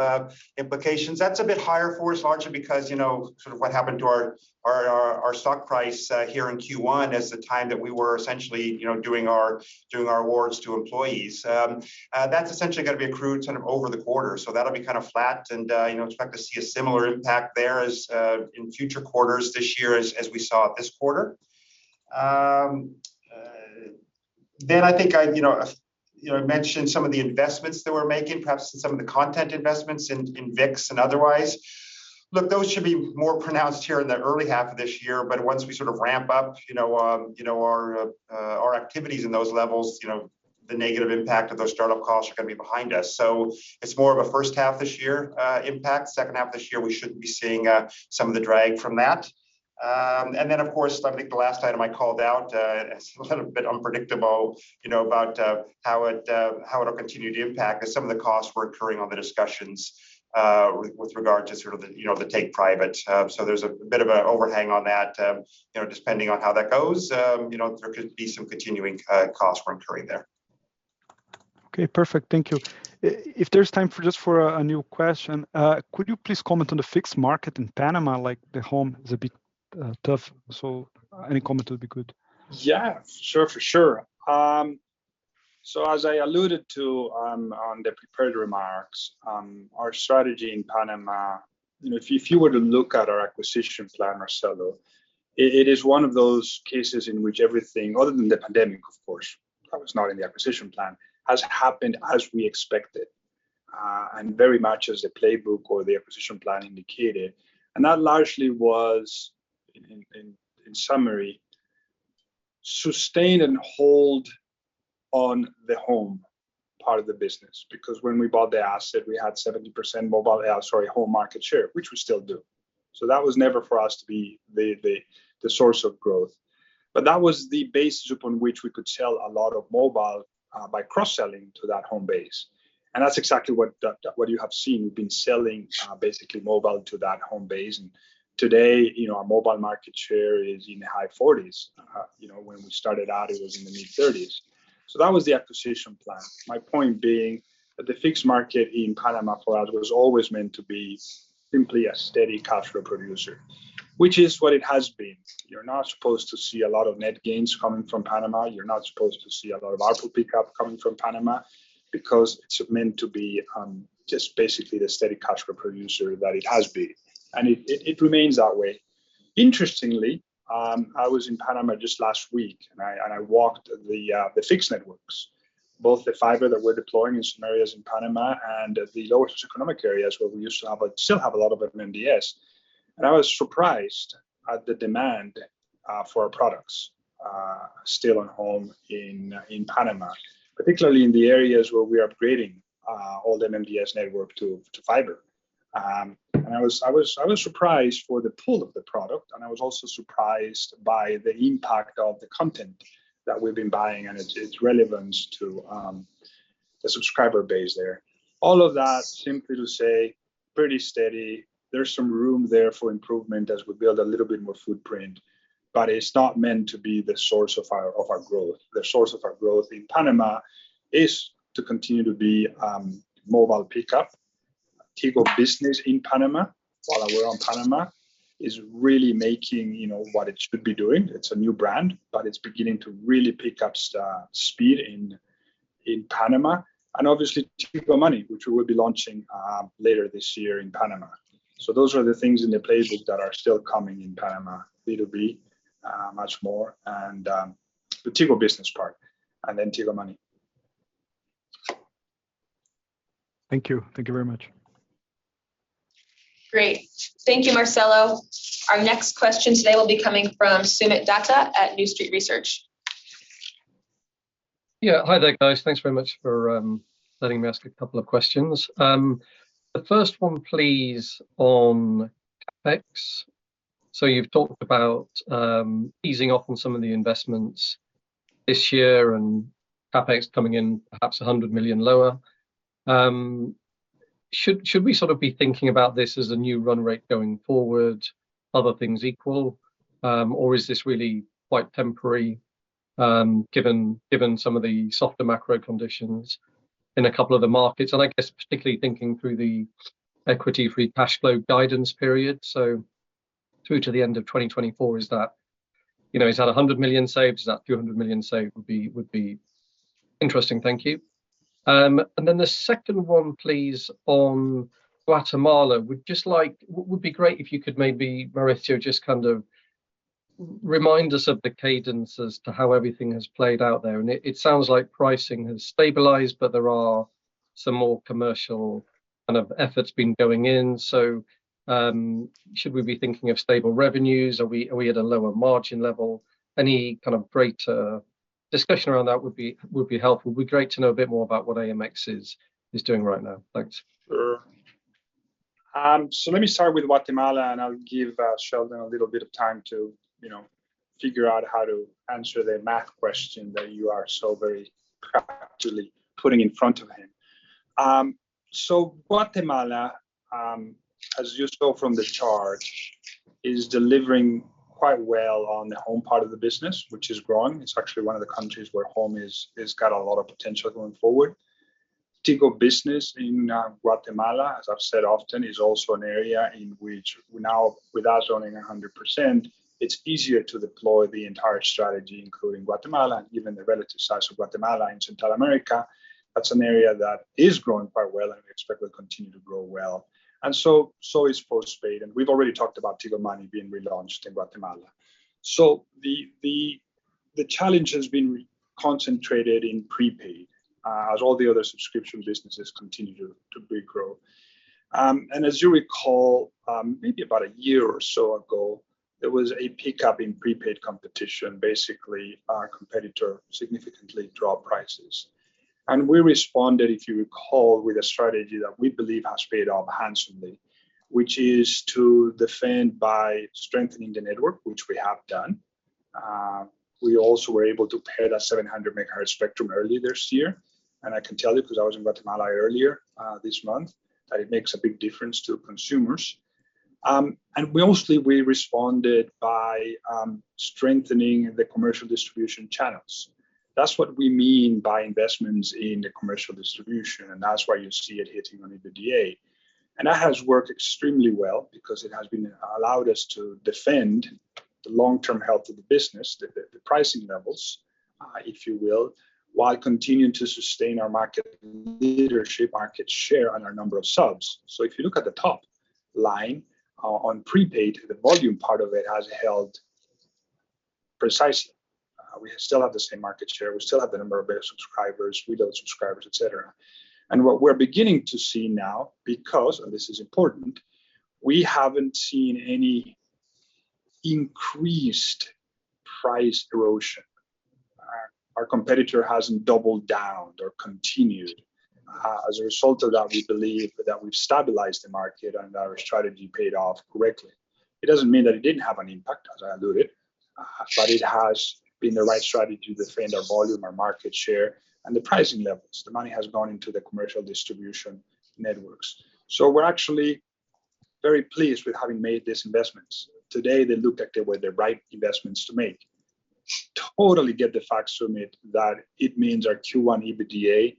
implications. That's a bit higher for us largely because, you know, sort of what happened to our stock price here in Q1 as the time that we were essentially, you know, doing our awards to employees. That's essentially gonna be accrued sort of over the quarter. That'll be kind of flat and, you know, expect to see a similar impact there as in future quarters this year as we saw at this quarter. I think I, you know, I mentioned some of the investments that we're making, perhaps some of the content investments in ViX and otherwise. Those should be more pronounced here in the early half of this year, but once we sort of ramp up, you know, you know, our activities in those levels, you know, the negative impact of those startup costs are gonna be behind us. It's more of a first half this year impact. Second half this year, we shouldn't be seeing some of the drag from that. Of course, I think the last item I called out is a little bit unpredictable, you know, about how it'll continue to impact as some of the costs were occurring on the discussions with regard to sort of the, you know, the take private. There's a bit of a overhang on that. You know, depending on how that goes, you know, there could be some continuing costs from occurring there. Okay, perfect. Thank you. If there's time for just for a new question, could you please comment on the fixed market in Panama? Like the home is a bit tough, any comment would be good. Yeah, sure, for sure. As I alluded to on the prepared remarks, our strategy in Panama, you know, if you were to look at our acquisition plan, Marcelo, it is one of those cases in which everything, other than the pandemic of course, that was not in the acquisition plan, has happened as we expected, and very much as the playbook or the acquisition plan indicated. That largely was in summary, sustain and hold on the home part of the business. When we bought the asset, we had 70% mobile, sorry, home market share, which we still do. That was never for us to be the source of growth. That was the basis upon which we could sell a lot of mobile, by cross-selling to that home base. That's exactly what that what you have seen. We've been selling basically mobile to that home base. Today, you know, our mobile market share is in the high-40s. You know, when we started out, it was in the mid-30s. That was the acquisition plan. My point being that the fixed market in Panama for us was always meant to be simply a steady cash flow producer, which is what it has been. You're not supposed to see a lot of net gains coming from Panama. You're not supposed to see a lot of ARPU pickup coming from Panama because it's meant to be just basically the steady cash flow producer that it has been. It remains that way. Interestingly, I was in Panama just last week, and I walked the fixed networks, both the fiber that we're deploying in some areas in Panama and the lower socioeconomic areas where we used to have, but still have a lot of it in MDS. I was surprised at the demand for our products still on home in Panama, particularly in the areas where we're upgrading all the MDS network to fiber. I was surprised for the pull of the product, I was also surprised by the impact of the content that we've been buying and its relevance to the subscriber base there. All of that simply to say pretty steady. There's some room there for improvement as we build a little bit more footprint, but it's not meant to be the source of our, of our growth. The source of our growth in Panama is to continue to be mobile pickup. Tigo Business in Panama, while we're on Panama, is really making, you know, what it should be doing. It's a new brand, but it's beginning to really pick up speed in Panama. Obviously Tigo Money, which we will be launching later this year in Panama. Those are the things in the playbook that are still coming in Panama. B2B much more, and the Tigo Business part, and then Tigo Money. Thank you. Thank you very much. Great. Thank you, Marcelo. Our next question today will be coming from Soomit Datta at New Street Research. Yeah. Hi there, guys. Thanks very much for letting me ask a couple of questions. The first one please on CapEx. You've talked about easing off on some of the investments this year and CapEx coming in perhaps $100 million lower. Should we sort of be thinking about this as a new run rate going forward, other things equal? Or is this really quite temporary, given some of the softer macro conditions in a couple of the markets? I guess particularly thinking through the equity free cash flow guidance period. Through to the end of 2024, is that, you know, is that a $100 million save? Is that $300 million save? Would be interesting. Thank you. The second one, please, on Guatemala. Would be great if you could maybe, Mauricio, just kind of remind us of the cadence as to how everything has played out there. It sounds like pricing has stabilized, but there are some more commercial kind of efforts been going in. Should we be thinking of stable revenues? Are we at a lower margin level? Any kind of greater discussion around that would be helpful. It'd be great to know a bit more about what AMX is doing right now. Thanks. Sure. Let me start with Guatemala, and I'll give Sheldon a little bit of time to, you know, figure out how to answer the math question that you are so very craftily putting in front of him. Guatemala, as you saw from the chart, is delivering quite well on the home part of the business, which is growing. It's actually one of the countries where home is got a lot of potential going forward. Tigo Business in Guatemala, as I've said often, is also an area in which now with us owning 100%, it's easier to deploy the entire strategy, including Guatemala and given the relative size of Guatemala and Central America. That's an area that is growing quite well and we expect will continue to grow well. Is postpaid, and we've already talked about Tigo Money being relaunched in Guatemala. The challenge has been concentrated in prepaid, as all the other subscription businesses continue to big grow. As you recall, maybe about a year or so ago, there was a pickup in Prepaid competition. Basically, our competitor significantly dropped prices. We responded, if you recall, with a strategy that we believe has paid off handsomely, which is to defend by strengthening the network, which we have done. We also were able to pair that 700 MHz spectrum early this year, and I can tell you because I was in Guatemala earlier this month, that it makes a big difference to consumers. We mostly responded by strengthening the commercial distribution channels. That's what we mean by investments in the commercial distribution, and that's why you see it hitting on EBITDA. That has worked extremely well because it has been allowed us to defend the long-term health of the business, the pricing levels, if you will, while continuing to sustain our market leadership, market share and our number of subs. If you look at the top line on prepaid, the volume part of it has held precisely. We still have the same market share. We still have the number of subscribers, reload subscribers, et cetera. What we're beginning to see now, because and this is important, we haven't seen any increased price erosion. Our competitor hasn't doubled down or continued. As a result of that, we believe that we've stabilized the market and our strategy paid off greatly. It doesn't mean that it didn't have an impact, as I alluded, but it has been the right strategy to defend our volume, our market share and the pricing levels. The money has gone into the commercial distribution networks. We're actually very pleased with having made these investments. Today, they look like they were the right investments to make. Totally get the facts from it that it means our Q1 EBITDA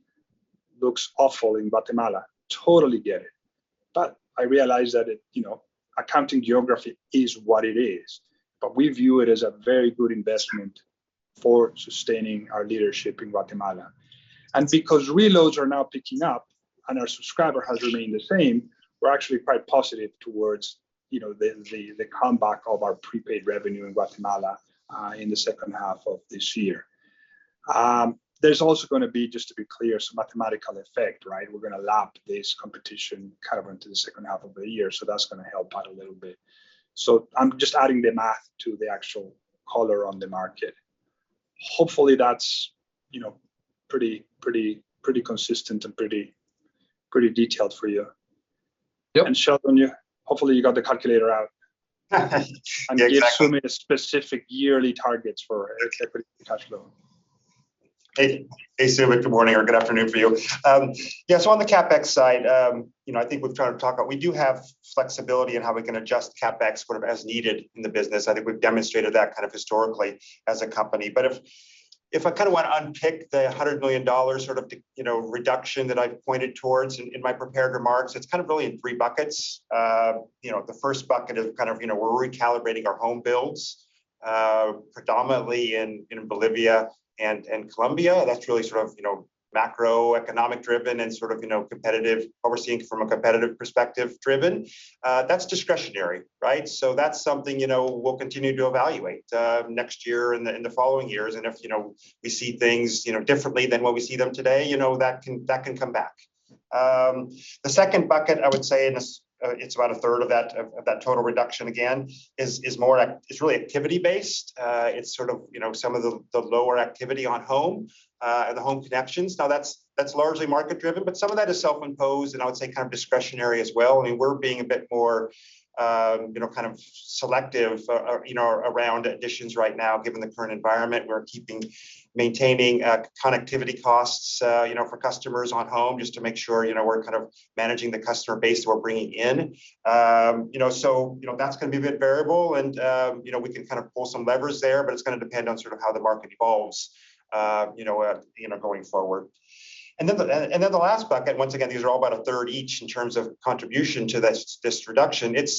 looks awful in Guatemala. Totally get it. I realize that it, you know, accounting geography is what it is. We view it as a very good investment for sustaining our leadership in Guatemala. Because reloads are now picking up and our subscriber has remained the same, we're actually quite positive towards, you know, the, the comeback of our prepaid revenue in Guatemala in the second half of this year. There's also gonna be, just to be clear, some mathematical effect, right? We're gonna lap this competition kind of into the second half of the year. That's gonna help out a little bit. I'm just adding the math to the actual color on the market. Hopefully that's, you know, pretty consistent and pretty detailed for you. Yep. Sheldon, you hopefully got the calculator out. Yeah, exactly. give Soomit Datta a specific yearly targets. Okay equity cash flow. Hey, hey, Soomit, good morning or good afternoon for you. Yeah, on the CapEx side, you know, I think we've tried to talk about we do have flexibility in how we can adjust CapEx sort of as needed in the business. I think we've demonstrated that kind of historically as a company. If I kinda wanna unpick the $100 million sort of, you know, reduction that I pointed towards in my prepared remarks, it's kind of really in three buckets. You know, the first bucket is kind of, you know, we're recalibrating our home builds predominantly in Bolivia and Colombia. That's really sort of, you know, macroeconomic-driven and sort of, you know, competitive overseeing from a competitive perspective-driven. That's discretionary, right? That's something, you know, we'll continue to evaluate, next year in the following years. If, you know, we see things, you know, differently than what we see them today, you know, that can come back. The second bucket I would say, it's about a third of that total reduction again, is really activity-based. It's sort of, you know, some of the lower activity on home, the home connections. That's largely market-driven, but some of that is self-imposed, and I would say kind of discretionary as well. I mean, we're being a bit more, you know, kind of selective, you know, around additions right now given the current environment. Maintaining connectivity costs, you know, for customers on home just to make sure, you know, we're kind of managing the customer base we're bringing in. You know, so, you know, that's gonna be a bit variable and, you know, we can kind of pull some levers there, but it's gonna depend on sort of how the market evolves, you know, you know, going forward. Then the last bucket, once again, these are all about a third each in terms of contribution to this reduction, it's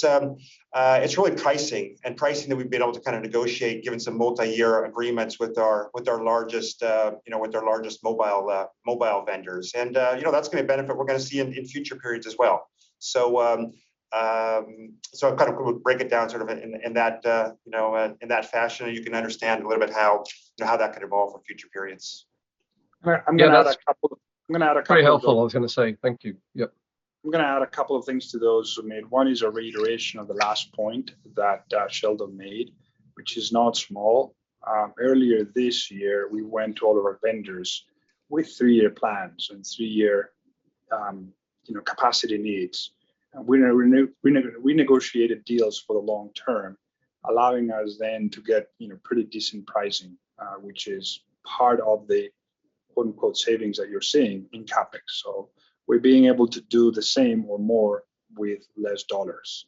really pricing, and pricing that we've been able to kind of negotiate given some multi-year agreements with our largest, you know, with our largest mobile vendors. You know, that's gonna benefit, we're gonna see in future periods as well. kind of we would break it down sort of in that, you know, in that fashion, and you can understand a little bit how, you know, how that could evolve for future periods. I'm gonna add a couple of. Very helpful, I was gonna say. Thank you. Yep. I'm gonna add a couple of things to those Soomit. One is a reiteration of the last point that Sheldon made, which is not small. Earlier this year we went to all of our vendors with three-year plans and three-year, you know, capacity needs. We negotiated deals for the long term, allowing us then to get, you know, pretty decent pricing, which is part of the quote-unquote savings that you're seeing in CapEx. We're being able to do the same or more with less dollars.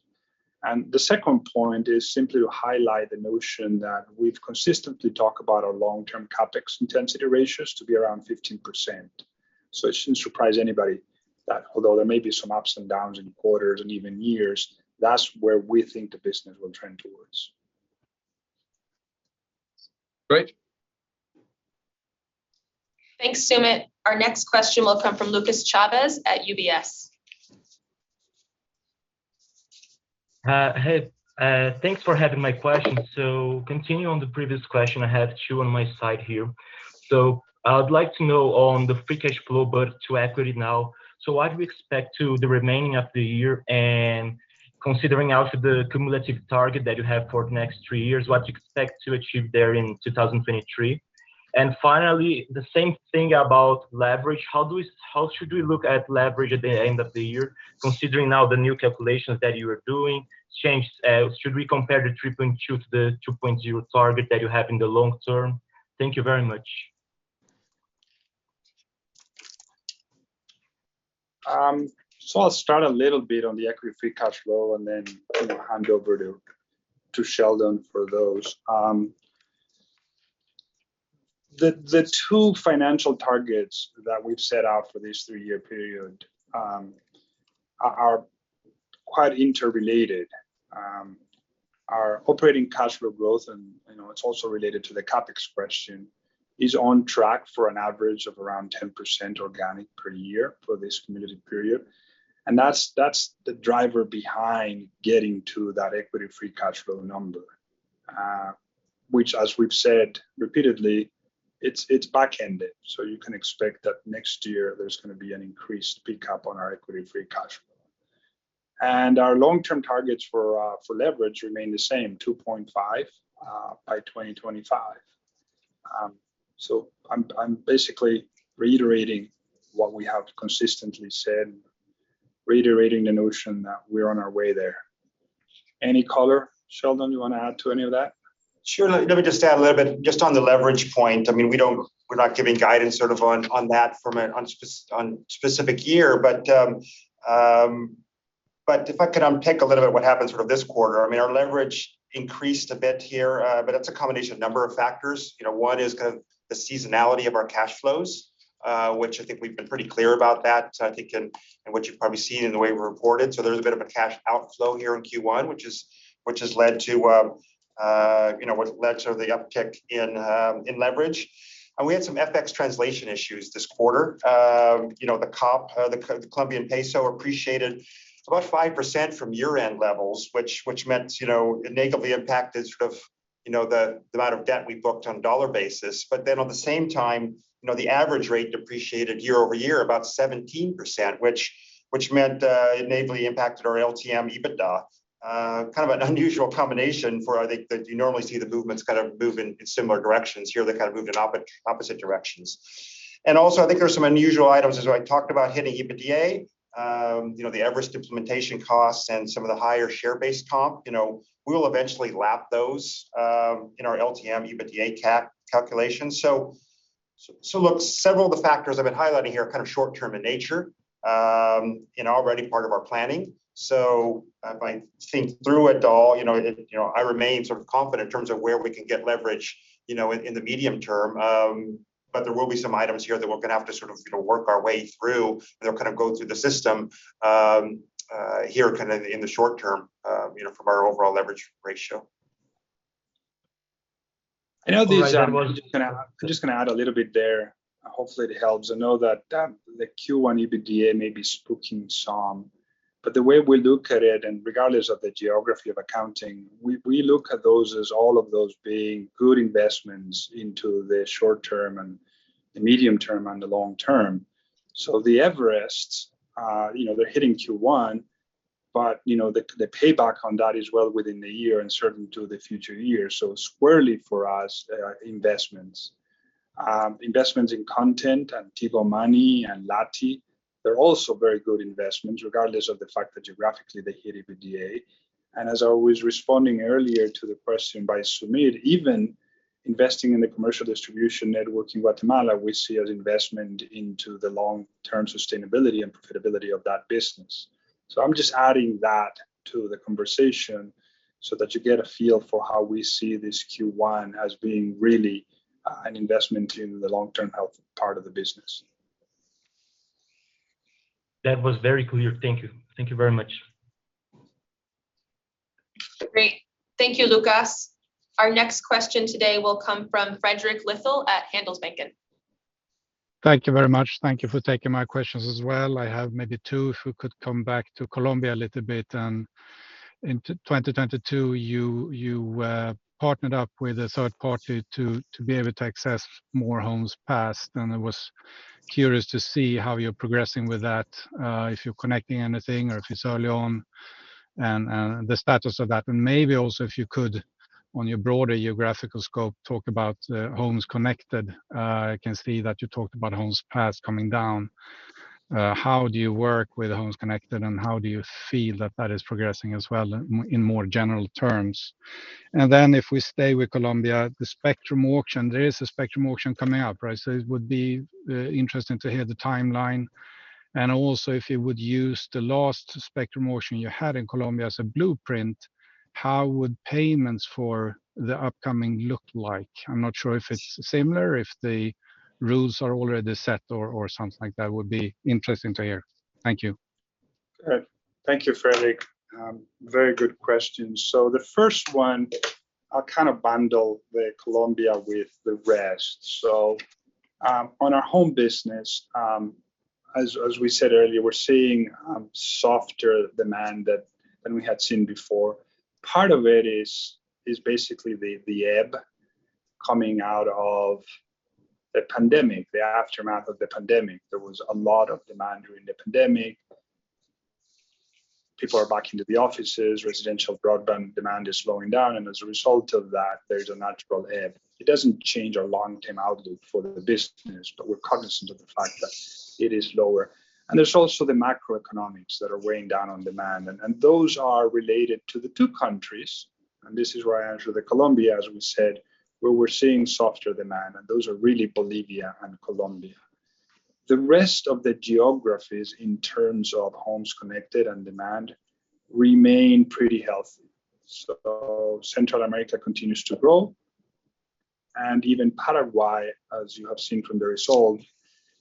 The second point is simply to highlight the notion that we've consistently talked about our long-term CapEx intensity ratios to be around 15%. It shouldn't surprise anybody that although there may be some ups and downs in quarters and even years, that's where we think the business will trend towards. Great. Thanks, Soomit. Our next question will come from Lucas Chaves at UBS. Hey. Thanks for having my question. Continuing on the previous question, I have two on my side here. I would like to know on the free cash flow but to equity now. What do we expect to the remaining of the year, and considering out the cumulative target that you have for the next three years, what do you expect to achieve there in 2023? Finally, the same thing about leverage. How should we look at leverage at the end of the year, considering now the new calculations that you are doing? Should we compare the 3.2 to the 2.0 target that you have in the long term? Thank you very much. I'll start a little bit on the equity free cash flow and then, you know, hand over to Sheldon for those. The two financial targets that we've set out for this three-year period are quite interrelated. Our operating cash flow growth and, you know, it's also related to the CapEx question, is on track for an average of around 10% organic per year for this committed period. That's the driver behind getting to that equity free cash flow number, which as we've said repeatedly, it's back-ended. You can expect that next year there's gonna be an increased pickup on our equity free cash flow. Our long-term targets for leverage remain the same, 2.5 by 2025. I'm basically reiterating what we have consistently said, reiterating the notion that we're on our way there. Any color, Sheldon, you want to add to any of that? Sure. Let me just add a little bit just on the leverage point. I mean, we're not giving guidance sort of on that on specific year. If I could unpick a little bit what happened sort of this quarter, I mean, our leverage increased a bit here, but it's a combination of number of factors. You know, one is kind of the seasonality of our cash flows, which I think we've been pretty clear about that, I think in what you've probably seen in the way we reported. So there's a bit of a cash outflow here in Q1, which has led to, you know, what led sort of the uptick in leverage. We had some FX translation issues this quarter. You know, the COP, the Colombian peso appreciated about 5% from year-end levels, which meant, you know, it negatively impacted sort of, you know, the amount of debt we booked on a dollar basis. On the same time, you know, the average rate depreciated year-over-year about 17%, which meant it negatively impacted our LTM EBITDA. Kind of an unusual combination for, I think, you normally see the movements kind of move in similar directions. Here they kind of moved in opposite directions. Also, I think there's some unusual items, as I talked about, hitting EBITDA. You know, the Everest implementation costs and some of the higher share-based comp. You know, we'll eventually lap those in our LTM EBITDA COP calculation. Look, several of the factors I've been highlighting here are kind of short term in nature, and already part of our planning. If I think through it all, you know, I remain sort of confident in terms of where we can get leverage, you know, in the medium term. There will be some items here that we're gonna have to sort of, you know, work our way through, and they'll kind of go through the system, here kind of in the short term, you know, from our overall leverage ratio. I know these. All right, I'm going to I'm just gonna add a little bit there. Hopefully it helps. I know that, the Q1 EBITDA may be spooking some. The way we look at it, and regardless of the geography of accounting, we look at those as all of those being good investments into the short term and the medium term and the long term. The Everests, you know, they're hitting Q1, but, you know, the payback on that is well within the year and certain to the future years. Squarely for us, investments. Investments in content and Tigo Money and Lati, they're also very good investments regardless of the fact that geographically they hit EBITDA. As I was responding earlier to the question by Soomit, even investing in the commercial distribution network in Guatemala, we see as investment into the long-term sustainability and profitability of that business. I'm just adding that to the conversation so that you get a feel for how we see this Q1 as being really an investment in the long-term health part of the business. That was very clear. Thank you. Thank you very much. Great. Thank you, Lucas. Our next question today will come from Fredrik Lithell at Handelsbanken. Thank you very much. Thank you for taking my questions as well. I have maybe two. We could come back to Colombia a little bit. In 2022, you partnered up with a third party to be able to access more homes passed, and I was curious to see how you're progressing with that, if you're connecting anything or if it's early on and the status of that. Maybe also if you could, on your broader geographical scope, talk about homes connected. I can see that you talked about homes passed coming down. How do you work with homes connected, and how do you feel that that is progressing as well in more general terms? If we stay with Colombia, the spectrum auction. There is a spectrum auction coming up, right? It would be interesting to hear the timeline. If you would use the last spectrum auction you had in Colombia as a blueprint, how would payments for the upcoming look like? I'm not sure if it's similar, if the rules are already set or something like that. Would be interesting to hear. Thank you. Good. Thank you, Fredrik. Very good questions. The first one, I'll kind of bundle the Colombia with the rest. On our home business, as we said earlier, we're seeing softer demand that than we had seen before. Part of it is basically the ebb coming out of the pandemic, the aftermath of the pandemic. There was a lot of demand during the pandemic. People are back into the offices. Residential broadband demand is slowing down, and as a result of that, there's a natural ebb. It doesn't change our long-term outlook for the business, but we're cognizant of the fact that it is lower. There's also the macroeconomics that are weighing down on demand. Those are related to the two countries, and this is where I answer the Colombia, as we said, where we're seeing softer demand, and those are really Bolivia and Colombia. The rest of the geographies in terms of homes connected and demand remain pretty healthy. Central America continues to grow, and even Paraguay, as you have seen from the results,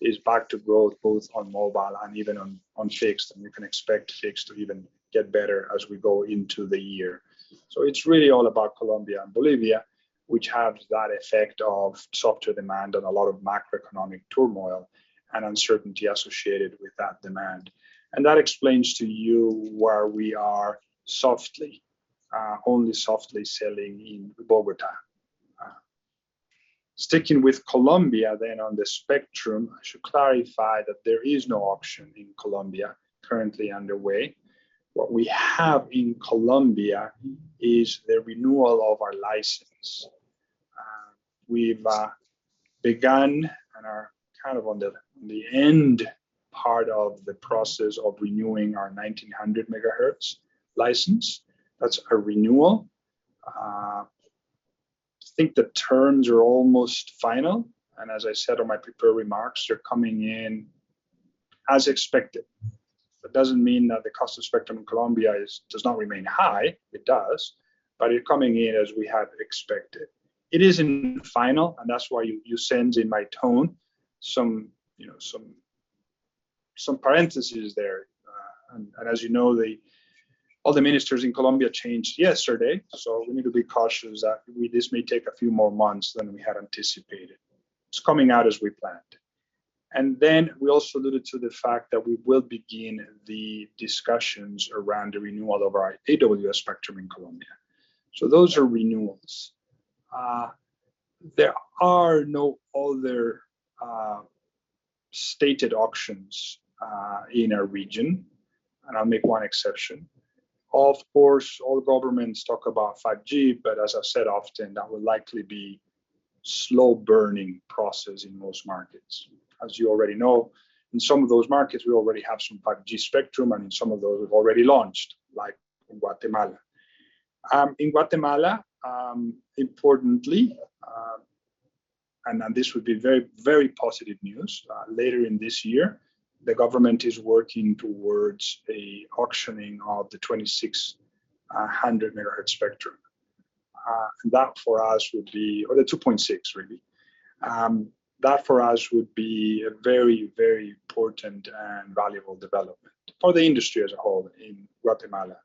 is back to growth both on mobile and even on fixed, and we can expect fixed to even get better as we go into the year. It's really all about Colombia and Bolivia, which have that effect of softer demand and a lot of macroeconomic turmoil and uncertainty associated with that demand. That explains to you why we are softly, only softly selling in Bogotá. Sticking with Colombia then on the spectrum, I should clarify that there is no auction in Colombia currently underway. What we have in Colombia is the renewal of our license. We've begun and are kind of on the end part of the process of renewing our 1900 MHz license. That's a renewal. I think the terms are almost final, and as I said on my prepared remarks, they're coming in as expected. That doesn't mean that the cost of spectrum in Colombia does not remain high. It does. It's coming in as we had expected. It isn't final, and that's why you sense in my tone some, you know, some parentheses there. As you know, all the ministers in Colombia changed yesterday, so we need to be cautious that this may take a few more months than we had anticipated. It's coming out as we planned. We also alluded to the fact that we will begin the discussions around the renewal of our AWS spectrum in Colombia. Those are renewals. There are no other stated auctions in our region, and I'll make one exception. Of course, all governments talk about 5G, but as I've said often, that will likely be slow-burning process in most markets. As you already know, in some of those markets, we already have some 5G spectrum, and in some of those, we've already launched, like in Guatemala. In Guatemala, importantly, and this would be very positive news, later in this year, the government is working towards an auctioning of the 2600 MHz spectrum. That for us would be, or the 2.6 really. That for us would be a very important and valuable development for the industry as a whole in Guatemala.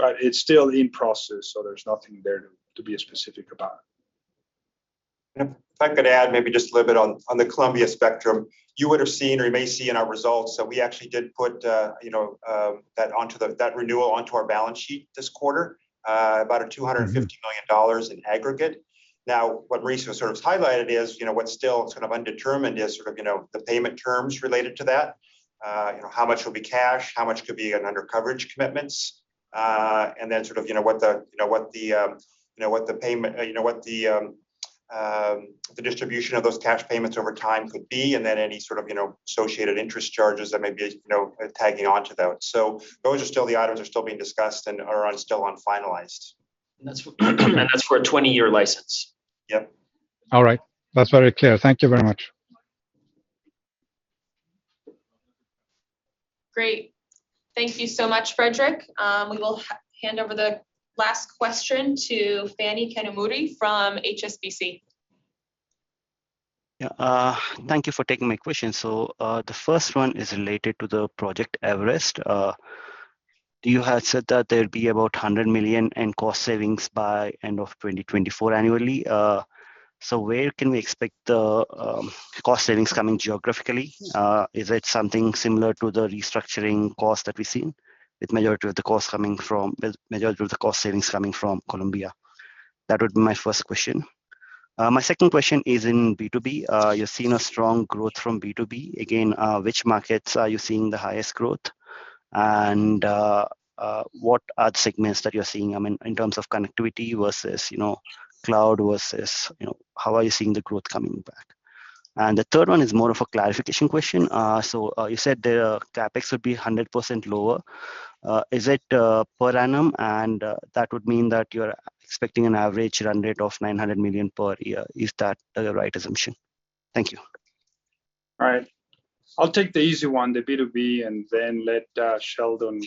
It's still in process, so there's nothing there to be specific about. If I could add maybe just a little bit on the Colombia spectrum. You would have seen or you may see in our results that we actually did put that renewal onto our balance sheet this quarter, about $250 million in aggregate. Now, what ratio sort of highlighted is, you know, what's still sort of undetermined is sort of, you know, the payment terms related to that, you know, how much will be cash, how much could be an under coverage commitments, and then sort of, you know, what the distribution of those cash payments over time could be and then any sort of, you know, associated interest charges that may be, you know, tagging on to those. Those items are still being discussed and are still unfinalized. That's for a 20-year license. Yep. All right. That's very clear. Thank you very much. Great. Thank you so much, Fredrik. We will hand over the last question to Phani Kanumuri from HSBC. Thank you for taking my question. The first one is related to Project Everest. You had said that there'd be about $100 million in cost savings by end of 2024 annually. Where can we expect the cost savings coming geographically? Is it something similar to the restructuring cost that we've seen, with majority of the cost savings coming from Colombia? That would be my first question. My second question is in B2B. You're seeing a strong growth from B2B. Again, which markets are you seeing the highest growth? What are the segments that you're seeing, I mean, in terms of connectivity versus, you know, cloud versus, you know, how are you seeing the growth coming back? The third one is more of a clarification question. You said the CapEx would be 100% lower. Is it per annum? That would mean that you're expecting an average run rate of $900 million per year. Is that the right assumption? Thank you. All right, I'll take the easy one, the B2B, and then let Sheldon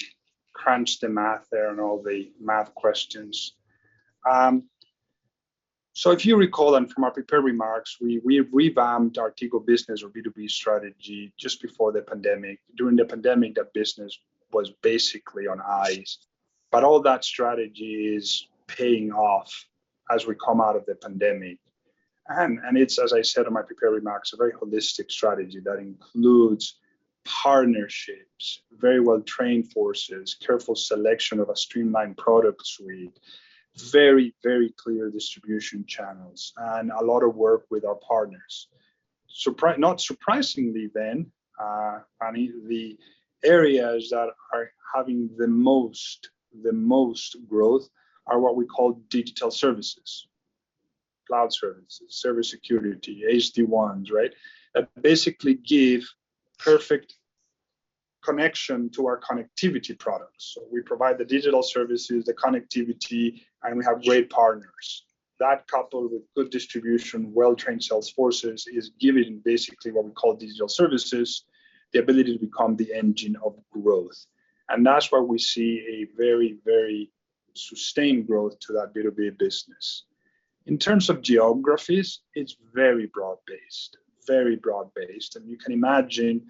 crunch the math there and all the math questions. If you recall then from our prepared remarks, we revamped our Tigo Business or B2B strategy just before the pandemic. During the pandemic, that business was basically on ice. All that strategy is paying off as we come out of the pandemic. And it's, as I said in my prepared remarks, a very holistic strategy that includes partnerships, very well-trained forces, careful selection of a streamlined product suite, very, very clear distribution channels, and a lot of work with our partners. Not surprisingly then, I mean, the areas that are having the most growth are what we call digital services, cloud services, service security, SD-WANs, right? That basically give perfect connection to our connectivity products. We provide the digital services, the connectivity, and we have great partners. That coupled with good distribution, well-trained sales forces, is giving basically what we call digital services, the ability to become the engine of growth. That's why we see a very, very sustained growth to that B2B business. In terms of geographies, it's very broad-based, very broad-based. You can imagine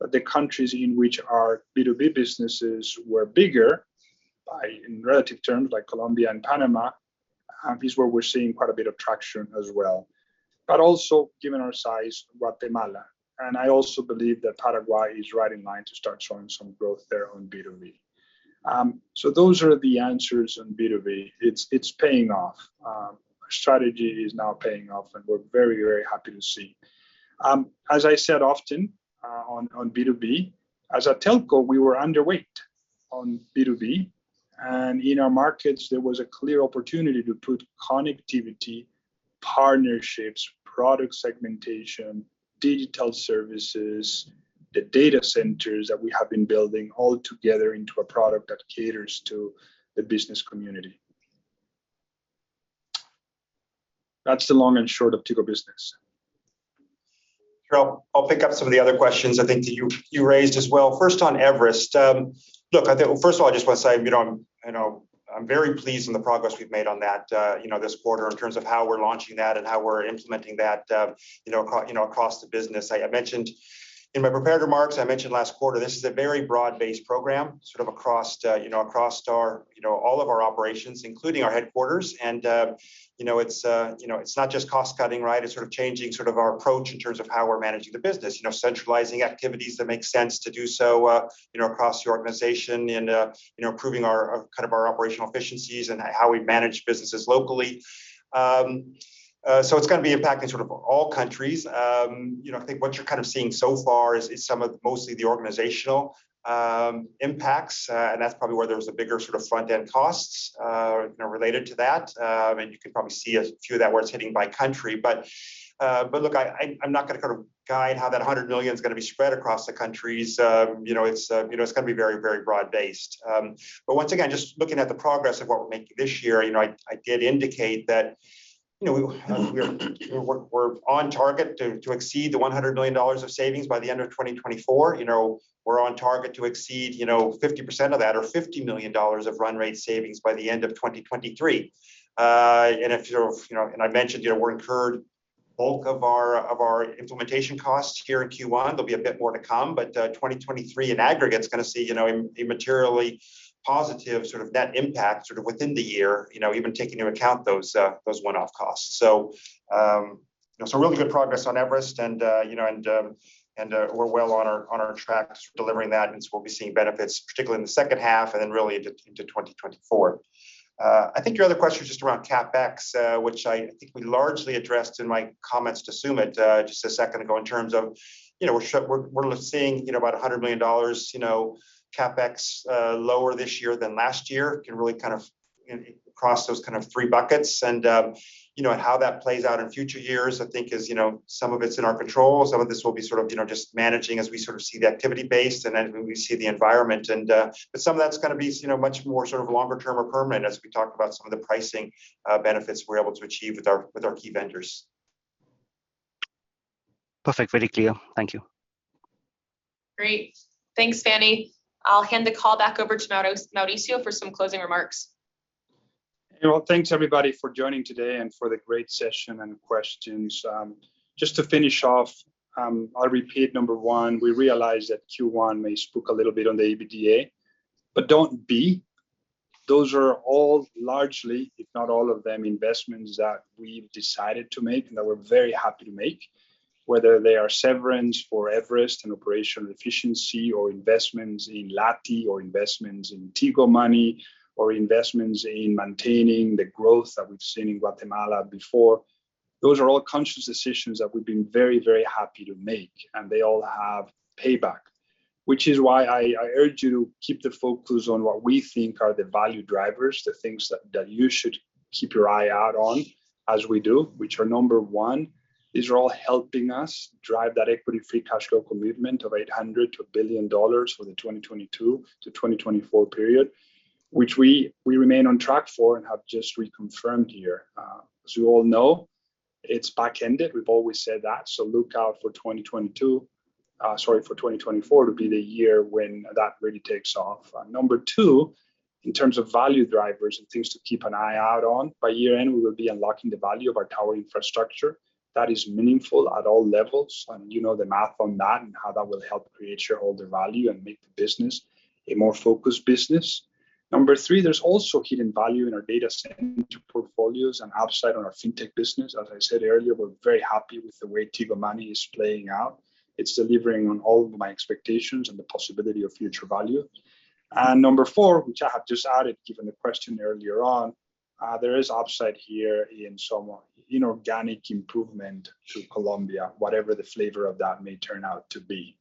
the countries in which our B2B businesses were bigger by in relative terms like Colombia and Panama, is where we're seeing quite a bit of traction as well. Also given our size, Guatemala, and I also believe that Paraguay is right in line to start showing some growth there on B2B. Those are the answers on B2B. It's paying off. Strategy is now paying off, and we're very, very happy to see. As I said often, on B2B, as a telco, we were underweight on B2B. In our markets, there was a clear opportunity to put connectivity, partnerships, product segmentation, digital services, the data centers that we have been building all together into a product that caters to the business community. That's the long and short of Tigo Business. Sure. I'll pick up some of the other questions I think that you raised as well. First on Everest, look, well, first of all, I just want to say, you know, I'm, you know, I'm very pleased in the progress we've made on that, you know, this quarter in terms of how we're launching that and how we're implementing that, you know, across the business. I mentioned in my prepared remarks, I mentioned last quarter, this is a very broad-based program, sort of across, you know, across our, you know, all of our operations, including our headquarters. you know, it's, you know, it's not just cost-cutting, right? It's sort of changing sort of our approach in terms of how we're managing the business. You know, centralizing activities that make sense to do so, you know, across the organization and, you know, improving our kind of our operational efficiencies and how we manage businesses locally. It's gonna be impacting sort of all countries. You know, I think what you're kind of seeing so far is some of mostly the organizational impacts, and that's probably where there was a bigger sort of front-end costs, you know, related to that. You can probably see a few of that where it's hitting by country. Look, I'm not gonna sort of guide how that $100 million is gonna be spread across the countries. You know, it's, you know, it's gonna be very, very broad-based. Once again, just looking at the progress of what we're making this year, you know, I did indicate that, you know, we're on target to exceed $100 million of savings by the end of 2024. You know, we're on target to exceed, you know, 50% of that or $50 million of run rate savings by the end of 2023. If you're, you know, I mentioned, you know, we incurred bulk of our implementation costs here in Q1. There'll be a bit more to come, but 2023 in aggregate is gonna see, you know, immaterially-positive sort of net impact sort of within the year, you know, even taking into account those one-off costs. You know, so really good progress on Everest and, you know, and, we're well on our, on our tracks delivering that. We'll be seeing benefits particularly in the second half and then really into 2024. I think your other question is just around CapEx, which I think we largely addressed in my comments to Soomit, just a second ago in terms of, you know, we're seeing, you know, about $100 million, you know, CapEx, lower this year than last year can really kind of and across those kind of three buckets. You know, and how that plays out in future years, I think is, you know, some of it's in our control. Some of this will be sort of, you know, just managing as we sort of see the activity based and then when we see the environment and. Some of that's gonna be, you know, much more sort of longer term or permanent as we talk about some of the pricing benefits we're able to achieve with our, with our key vendors. Perfect. Very clear. Thank you. Great. Thanks, Phani. I'll hand the call back over to Mauricio for some closing remarks. You know, thanks everybody for joining today and for the great session and questions. Just to finish off, I'll repeat number one, we realize that Q1 may spook a little bit on the EBITDA. Don't be. Those are all largely, if not all of them, investments that we've decided to make and that we're very happy to make, whether they are severance for Everest and operational efficiency or investments in Lati or investments in Tigo Money or investments in maintaining the growth that we've seen in Guatemala before. Those are all conscious decisions that we've been very, very happy to make. They all have payback I urge you to keep the focus on what we think are the value drivers, the things that you should keep your eye out on as we do, which are number one, these are all helping us drive that equity free cash flow commitment of $800 million to $1 billion for the 2022-2024 period, which we remain on track for and have just reconfirmed here. As you all know, it's back-ended. We've always said that. Look out for 2022, sorry, for 2024 to be the year when that really takes off. Number two, in terms of value drivers and things to keep an eye out on, by year-end, we will be unlocking the value of our tower infrastructure that is meaningful at all levels, and you know the math on that and how that will help create shareholder value and make the business a more focused business. Number three, there's also hidden value in our data center portfolios and upside on our fintech business. As I said earlier, we're very happy with the way Tigo Money is playing out. It's delivering on all of my expectations and the possibility of future value. Number four, which I have just added given the question earlier on, there is upside here in some inorganic improvement to Colombia, whatever the flavor of that may turn out to be.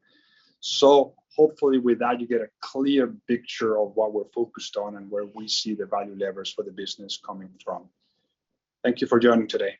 Hopefully with that, you get a clear picture of what we're focused on and where we see the value levers for the business coming from. Thank you for joining today.